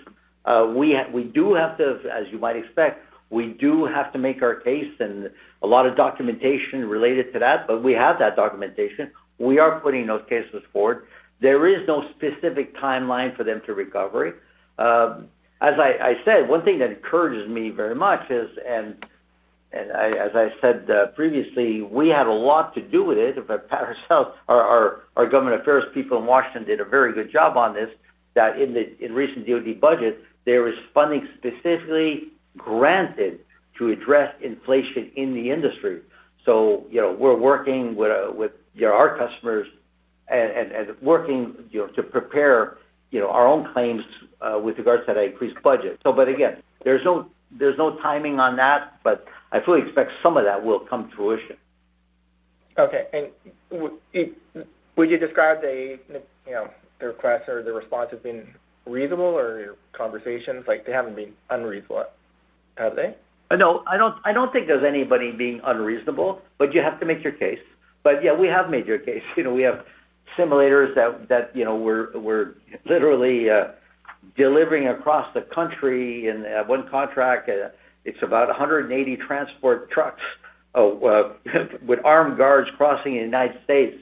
we do have to, as you might expect, we do have to make our case and a lot of documentation related to that, but we have that documentation. We are putting those cases forward. There is no specific timeline for them to recovery. As I said, one thing that encourages me very much is, and as I said previously, we have a lot to do with it. Ourselves, our government affairs people in Washington did a very good job on this, that in the recent DoD budget, there is funding specifically granted to address inflation in the industry. You know, we're working with our customers and working, you know, to prepare, you know, our own claims with regards to that increased budget. But again, there's no timing on that, but I fully expect some of that will come to fruition. Okay. Would you describe the, you know, the requests or the responses being reasonable, or your conversations? Like, they haven't been unreasonable, have they? I don't think there's anybody being unreasonable. You have to make your case. We have made your case. You know, we have simulators that, you know, we're literally delivering across the country. In one contract, it's about 180 transport trucks with armed guards crossing in the United States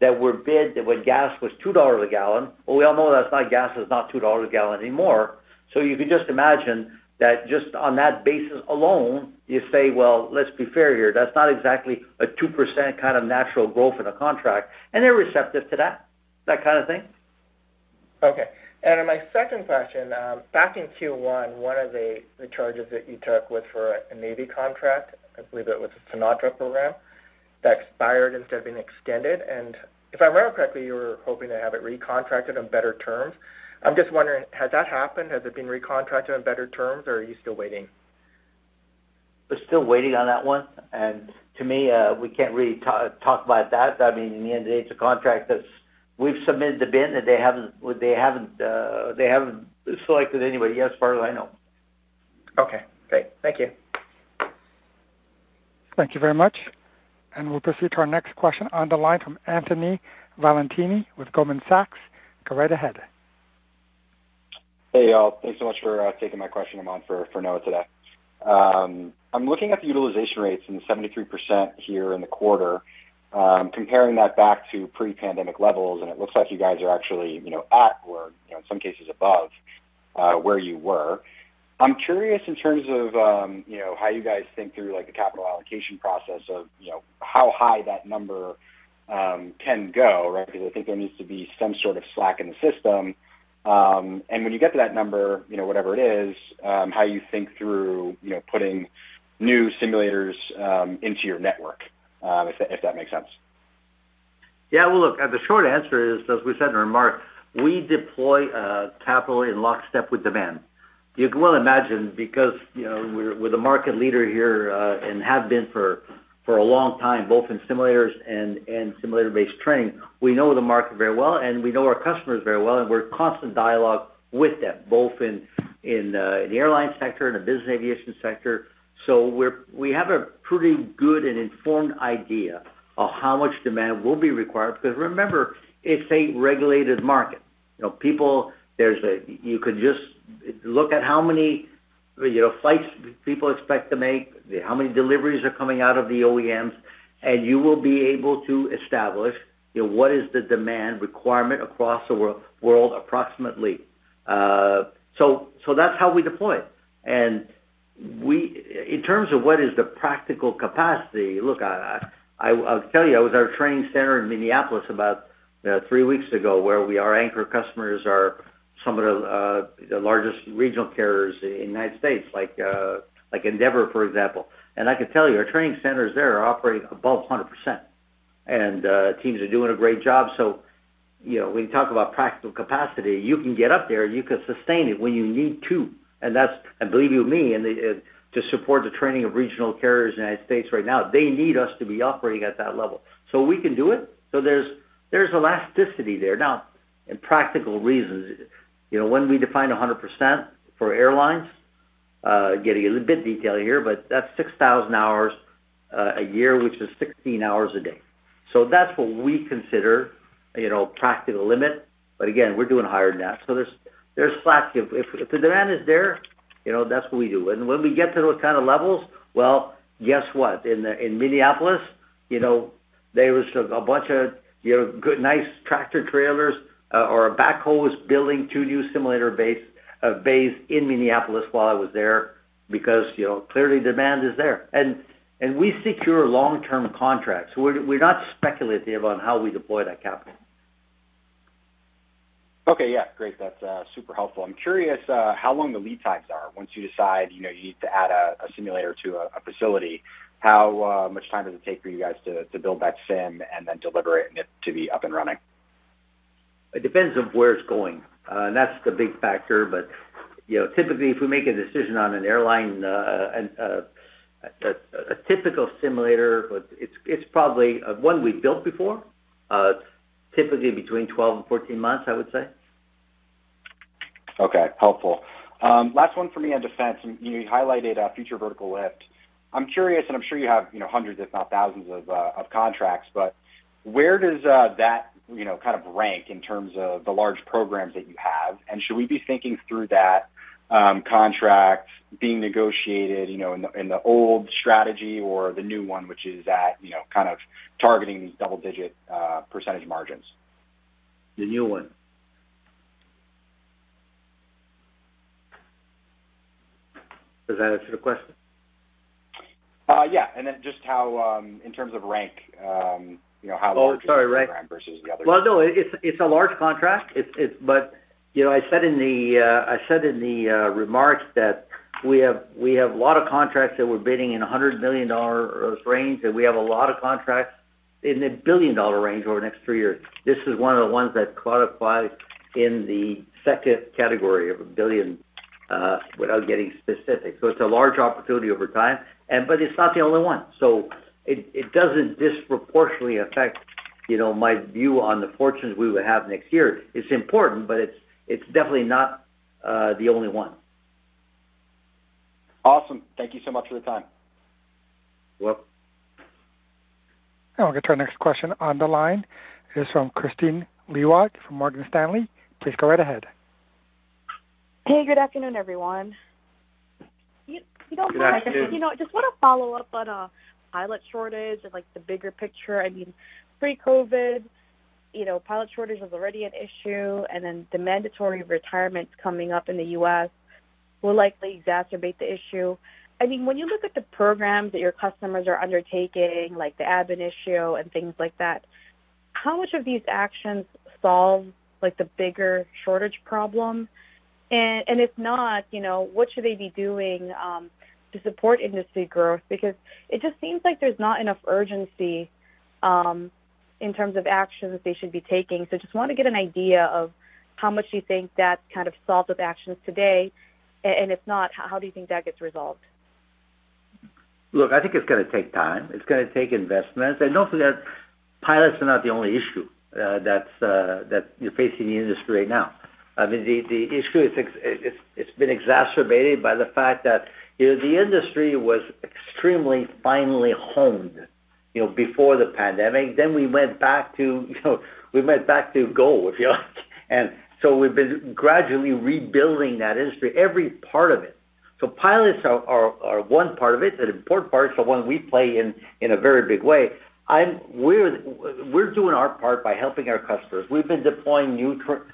that were bid when gas was $2 a gallon. We all know gas is not $2 a gallon anymore. You can just imagine that just on that basis alone, you say, let's be fair here. That's not exactly a 2% kind of natural growth in a contract. They're receptive to that kind of thing. Okay. My second question, back in Q1, one of the charges that you took was for a Navy contract. I believe it was a Sonata program that expired instead of being extended. If I remember correctly, you were hoping to have it recontracted on better terms. I'm just wondering, has that happened? Has it been recontracted on better terms, or are you still waiting? We're still waiting on that one. To me, we can't really talk about that. I mean, in the end of the day, it's a contract we've submitted the bid, and they haven't selected anybody yet as far as I know. Okay, great. Thank you. Thank you very much. We'll proceed to our next question on the line from Anthony Valentini with Goldman Sachs. Go right ahead. Hey, y'all. Thanks so much for taking my question. I'm on for Noah today. I'm looking at the utilization rates and 73% here in the quarter, comparing that back to pre-pandemic levels, and it looks like you guys are actually, you know, at or, you know, in some cases above, where you were. I'm curious in terms of, you know, how you guys think through, like, the capital allocation process of, you know, how high that number can go, right? Because I think there needs to be some sort of slack in the system. And when you get to that number, you know, whatever it is, how you think through, you know, putting new simulators into your network, if that makes sense. Well, look, the short answer is, as we said in our remarks, we deploy capital in lockstep with demand. You can well imagine because, you know, we're the market leader here and have been for a long time, both in simulators and simulator-based training. We know the market very well, and we know our customers very well, and we're in constant dialogue with them, both in the airline sector and the business aviation sector. We have a pretty good and informed idea of how much demand will be required. Remember, it's a regulated market. You know, you could just look at how many, you know, flights people expect to make, how many deliveries are coming out of the OEMs, you will be able to establish, you know, what is the demand requirement across the world, approximately. That's how we deploy. In terms of what is the practical capacity, look, I'll tell you, I was our training center in Minneapolis about three weeks ago, where our anchor customers are some of the largest regional carriers in the United States, like Endeavor, for example. I can tell you, our training centers there are operating above 100%. Teams are doing a great job. You know, when you talk about practical capacity, you can get up there, and you can sustain it when you need to. That's, believe you me, to support the training of regional carriers in the United States right now, they need us to be operating at that level. We can do it. There's elasticity there. Now, in practical reasons, you know, when we define 100% for airlines, getting a little bit detailed here, that's 6,000 hours a year, which is 16 hours a day. That's what we consider, you know, practical limit. Again, we're doing higher than that. There's slack. If the demand is there, you know, that's what we do. When we get to those kind of levels, well, guess what? In Minneapolis, you know, there was a bunch of, you know, good, nice tractor trailers or a backhoe was building two new simulator base in Minneapolis while I was there because, you know, clearly demand is there. We secure long-term contracts. We're not speculative on how we deploy that capital. Okay. Yeah. Great. That's super helpful. I'm curious how long the lead times are once you decide, you know, you need to add a simulator to a facility. How much time does it take for you guys to build that sim and then deliver it and it to be up and running? It depends on where it's going. That's the big factor. You know, typically, if we make a decision on an airline, a typical simulator, but it's probably one we've built before, typically between 12 and 14 months, I would say. Okay, helpful. Last one for me on defense, and you highlighted a Future Vertical Lift. I'm curious, and I'm sure you have, you know, hundreds, if not thousands of contracts, but where does that, you know, kind of rank in terms of the large programs that you have? Should we be thinking through that contract being negotiated, you know, in the old strategy or the new one, which is that, you know, kind of targeting these double-digit percentage margins? The new one. Does that answer the question? Yeah. Just how, in terms of rank, you know? Oh, sorry. Versus the other one. No, it's a large contract. You know, I said in the remarks that we have a lot of contracts that we're bidding in a $100 million range, that we have a lot of contracts in a $1 billion range over the next three years. This is one of the ones that qualifies in the second category of $1 billion, without getting specific. It's a large opportunity over time, it's not the only one, so it doesn't disproportionately affect, you know, my view on the fortunes we will have next year. It's important, but it's definitely not the only one. Awesome. Thank you so much for the time. Welcome. We'll get to our next question on the line. It's from Kristine Liwag from Morgan Stanley. Please go right ahead. Hey, good afternoon, everyone. Good afternoon. You know, I just want to follow up on pilot shortage and, like, the bigger picture. I mean, pre-COVID, you know, pilot shortage was already an issue, and then the mandatory retirements coming up in the U.S. will likely exacerbate the issue. I mean, when you look at the programs that your customers are undertaking, like the ab initio and things like that, how much of these actions solve, like, the bigger shortage problem? If not, you know, what should they be doing to support industry growth? Because it just seems like there's not enough urgency in terms of actions that they should be taking. Just want to get an idea of how much do you think that kind of solves of actions today. And if not, how do you think that gets resolved? I think it's gonna take time. It's gonna take investments. Also that pilots are not the only issue that's that you're facing in the industry right now. I mean, the issue, it's been exacerbated by the fact that, you know, the industry was extremely finely honed, you know, before the pandemic. We went back to, you know, we went back to gold, if you like. We've been gradually rebuilding that industry, every part of it. Pilots are one part of it, an important part. When we play in a very big way, We're doing our part by helping our customers. We've been deploying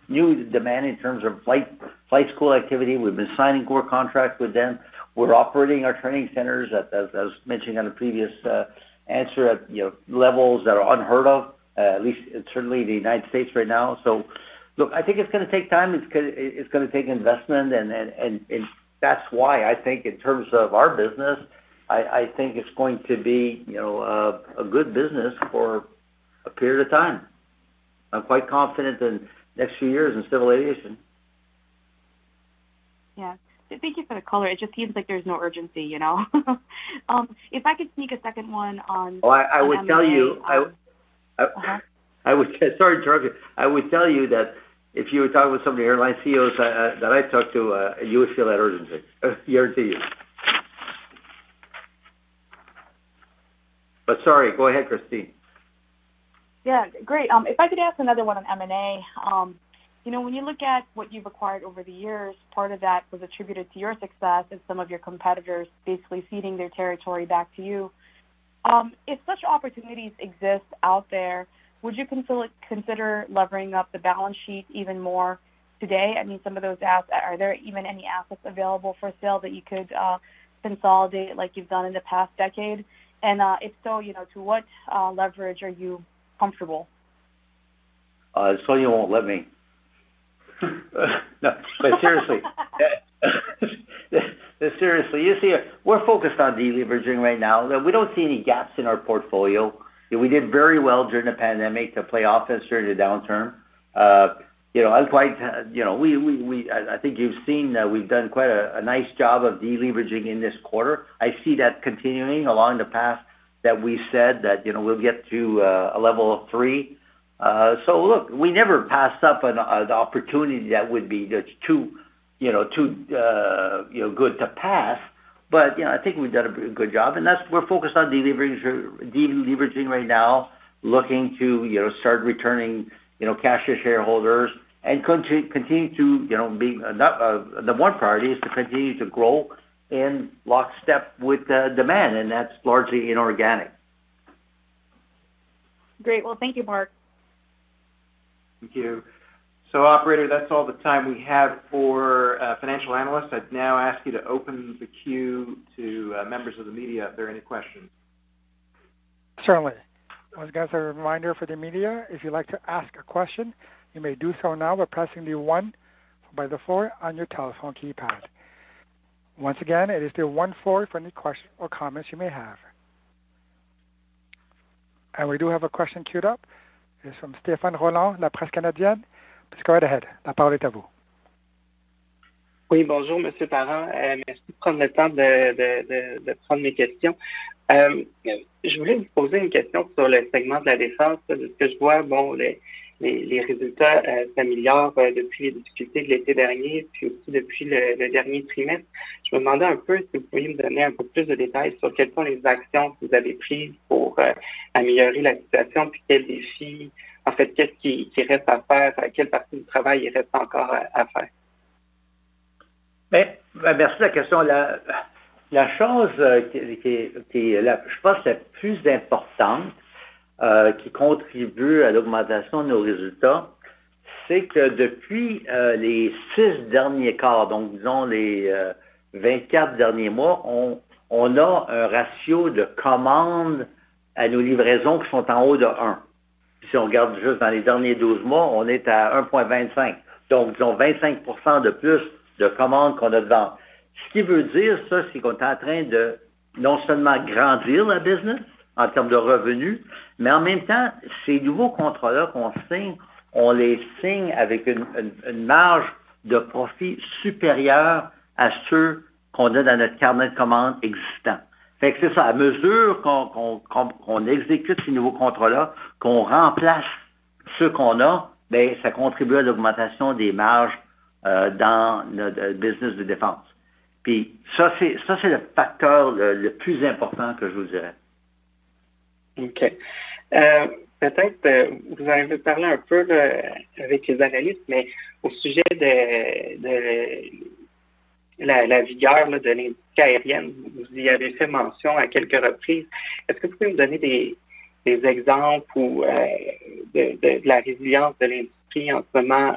new demand in terms of flight school activity. We've been signing core contracts with them. We're operating our training centers, as mentioned on a previous answer at, you know, levels that are unheard of, at least certainly in the United States right now. Look, I think it's gonna take time. It's gonna take investment. That's why I think in terms of our business, I think it's going to be, you know, a good business for a period of time. I'm quite confident in next few years in civil aviation. Yeah. Thank you for the color. It just seems like there's no urgency, you know? If I could sneak a second one on- Oh, I would tell you. Uh-huh. Sorry to interrupt you. I would tell you that if you were talking with some of the airline CEOs that I talk to, you would feel that urgency, guarantee you. Sorry, go ahead, Kristine. Yeah. Great. If I could ask another one on M&A? You know, when you look at what you've acquired over the years, part of that was attributed to your success and some of your competitors basically ceding their territory back to you. If such opportunities exist out there, would you consider levering up the balance sheet even more today? I mean, Are there even any assets available for sale that you could consolidate like you've done in the past decade? If so, you know, to what leverage are you comfortable? Sonya won't let me. No, seriously. Seriously, you see, we're focused on deleveraging right now. We don't see any gaps in our portfolio. We did very well during the pandemic to play offense during the downturn. You know, I think you've seen that we've done quite a nice job of deleveraging in this quarter. I see that continuing along the path that we said that, you know, we'll get to a level of three. Look, we never pass up an opportunity that would be just too, you know, too, you know, good to pass. you know, I think we've done a good job, and we're focused on deleveraging right now, looking to, you know, start returning, you know, cash to shareholders and continue to, you know, the one priority is to continue to grow in lockstep with the demand, and that's largely inorganic. Great. Well, thank you, Marc. Thank you. Operator, that's all the time we have for financial analysts. I'd now ask you to open the queue to members of the media if there are any questions. Certainly. Once again, as a reminder for the media, if you'd like to ask a question, you may do so now by pressing the one by the four on your telephone keypad. Once again, it is the one, four for any questions or comments you may have. We do have a question queued up. It's from Stefan Roland, La Presse Canadienne. Please go right ahead. Oui bonjour monsieur Parent. Merci de prendre le temps de prendre mes questions. Je voulais vous poser une question sur le segment de la défense. De ce que je vois, bon les résultats s'améliorent depuis les difficultés de l'été dernier, puis aussi depuis le dernier trimestre. Je me demandais un peu si vous pouviez me donner un peu plus de détails sur quelles sont les actions que vous avez prises pour améliorer la situation puis en fait, qu'est-ce qui reste à faire? Quelle partie du travail il reste encore à faire? Merci de la question. La chose qui est, je pense, la plus importante, qui contribue à l'augmentation de nos résultats, c'est que depuis les 6 derniers quarts, donc disons les 24 derniers mois, on a 1 ratio de commandes à nos livraisons qui sont en haut de 1. Si on regarde juste dans les derniers 12 mois, on est à 1.25, donc disons 25% de plus de commandes qu'on a de ventes. Ce qui veut dire, ça, c'est qu'on est en train de non seulement grandir la business en termes de revenus, mais en même temps, ces nouveaux contrats-là qu'on signe, on les signe avec une marge de profit supérieure à ceux qu'on a dans notre carnet de commandes existant. C'est ça. À mesure qu'on exécute ces nouveaux contrats-là, qu'on remplace ceux qu'on a, ben ça contribue à l'augmentation des marges dans notre business de défense. Pis ça, c'est le facteur le plus important que je vous dirais. OK. Peut-être, vous en avez parlé un peu avec les analystes, mais au sujet de la vigueur de l'industrie aérienne, vous y avez fait mention à quelques reprises. Est-ce que vous pouvez me donner des exemples ou de la résilience de l'industrie en ce moment,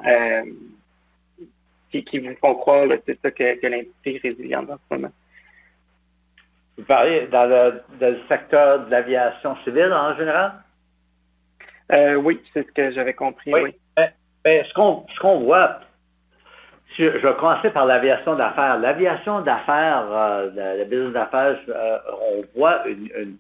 qui vous font croire que l'industrie est résiliente en ce moment ? Vous parlez dans le secteur de l'aviation civile en général? Oui, c'est ce que j'avais compris. Oui. Ce qu'on voit, je vais commencer par l'aviation d'affaires. L'aviation d'affaires, le business d'affaires, on voit une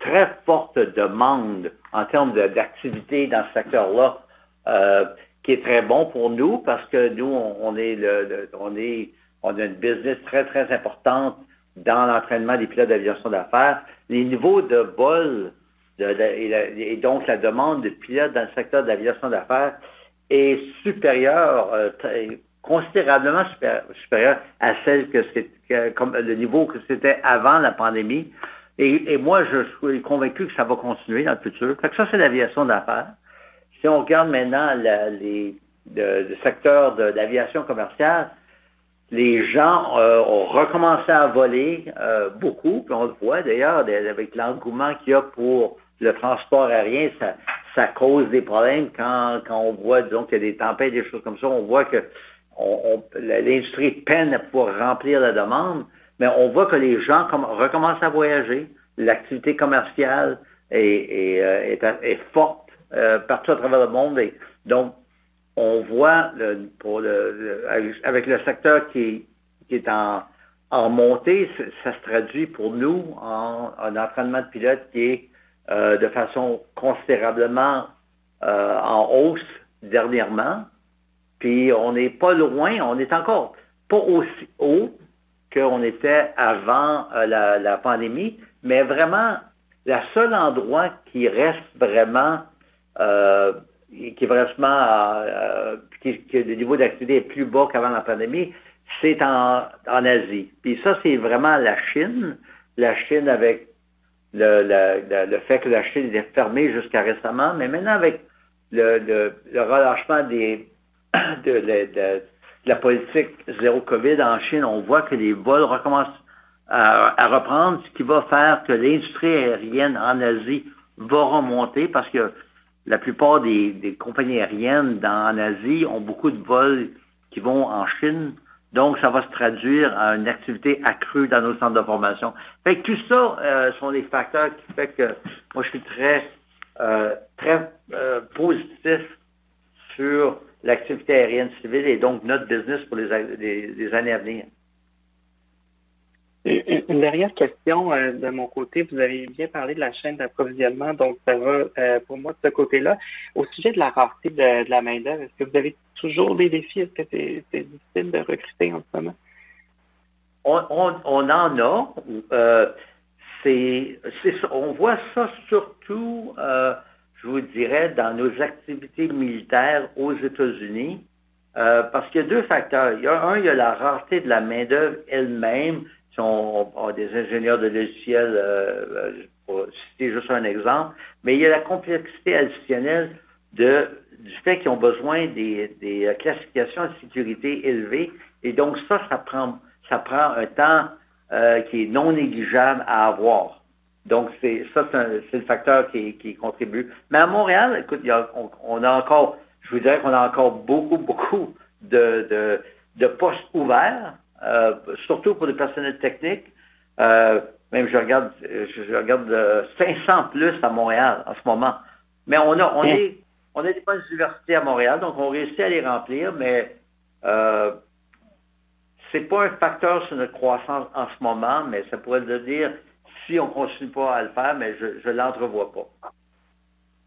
très forte demande en termes d'activité dans ce secteur-là, qui est très bon pour nous parce que nous, on est le, on a une business très très importante dans l'entraînement des pilotes d'aviation d'affaires. Les niveaux de vol, la demande de pilotes dans le secteur de l'aviation d'affaires est supérieure, considérablement supérieure comme le niveau que c'était avant la pandémie. Moi, je suis convaincu que ça va continuer dans le futur. Ça, c'est l'aviation d'affaires. Si on regarde maintenant les secteurs de l'aviation commerciale, les gens ont recommencé à voler beaucoup. On le voit d'ailleurs avec l'engouement qu'il y a pour le transport aérien. Ça, ça cause des problèmes quand on voit, disons, qu'il y a des tempêtes, des choses comme ça. On voit que l'industrie peine à pouvoir remplir la demande, mais on voit que les gens recommencent à voyager. L'activité commerciale est forte partout à travers le monde. On voit le, avec le secteur qui est en remontée, ça se traduit pour nous en un entraînement de pilote qui est de façon considérablement en hausse dernièrement. On n'est pas loin, on n'est encore pas aussi haut qu'on était avant la pandémie, mais vraiment, le seul endroit qui reste vraiment qui est vraiment que le niveau d'activité est plus bas qu'avant la pandémie, c'est en Asie. Ça, c'est vraiment la Chine. La Chine avec le fait que la Chine était fermée jusqu'à récemment. Maintenant, avec le relâchement de la politique zéro Covid en Chine, on voit que les vols recommencent à reprendre, ce qui va faire que l'industrie aérienne en Asie va remonter parce que la plupart des compagnies aériennes en Asie ont beaucoup de vols qui vont en Chine. Ça va se traduire à une activité accrue dans nos centres de formation. Tout ça, sont des facteurs qui font que moi, je suis très positif sur l'activité aérienne civile et donc notre business pour les années à venir. Une dernière question de mon côté. Vous avez bien parlé de la chaîne d'approvisionnement, donc ça va pour moi de ce côté-là. Au sujet de la rareté de la main-d'œuvre, est-ce que vous avez toujours des défis? Est-ce que c'est difficile de recruter en ce moment? On en a. C'est ça. On voit ça surtout, je vous dirais, dans nos activités militaires aux États-Unis, parce qu'il y a 2 facteurs. 1, il y a la rareté de la main-d'œuvre elle-même, qui sont des ingénieurs de logiciels, pour citer juste un exemple, mais il y a la complexité additionnelle du fait qu'ils ont besoin des classifications de sécurité élevées. Ça prend un temps qui est non négligeable à avoir. C'est ça, c'est le facteur qui contribue. À Montréal, écoute, on a encore, je vous dirais qu'on a encore beaucoup de postes ouverts, surtout pour le personnel technique. Même, je regarde 500 de plus à Montréal en ce moment. On a des bonnes universités à Montréal, on réussit à les remplir, mais c'est pas un facteur sur notre croissance en ce moment, ça pourrait le devenir si on continue pas à le faire, mais je l'entrevois pas.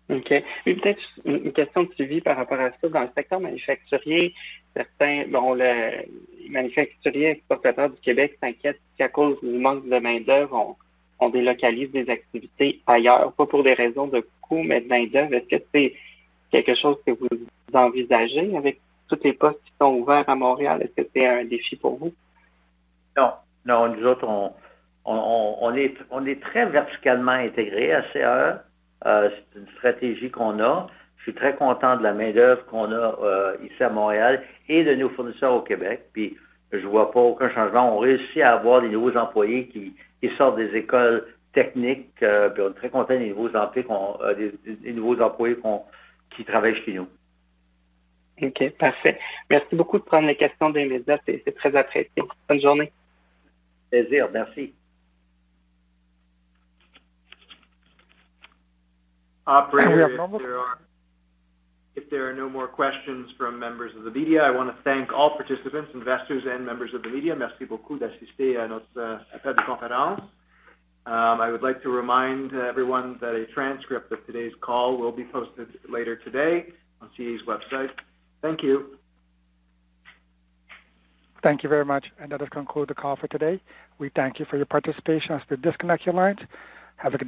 OK. Peut-être une question de suivi par rapport à ça. Dans le secteur manufacturier, certains, bon, les manufacturiers exportateurs du Québec s'inquiètent qu'à cause du manque de main-d'œuvre, on délocalise des activités ailleurs, pas pour des raisons de coût, mais de main-d'œuvre. Est-ce que c'est quelque chose que vous envisagez avec tous les postes qui sont ouverts à Montréal? Est-ce que c'est un défi pour vous? Non. Non, nous autres, on est très verticalement intégrés à CAE. C'est une stratégie qu'on a. Je suis très content de la main-d'œuvre qu'on a ici à Montréal et de nos fournisseurs au Québec. Pis je vois pas aucun changement. On réussit à avoir des nouveaux employés qui sortent des écoles techniques, pis on est très content des nouveaux employés qui travaillent chez nous. OK, parfait. Merci beaucoup de prendre les questions d'un investisseur. C'est très apprécié. Bonne journée. Plaisir. Merci. If there are no more questions from members of the media, I want to thank all participants, investors, and members of the media. Merci beaucoup d'assister à notre appel de conférence. I would like to remind everyone that a transcript of today's call will be posted later today on CAE's website. Thank you. Thank you very much. That concludes the call for today. We thank you for your participation. You may disconnect your lines. Have a good day.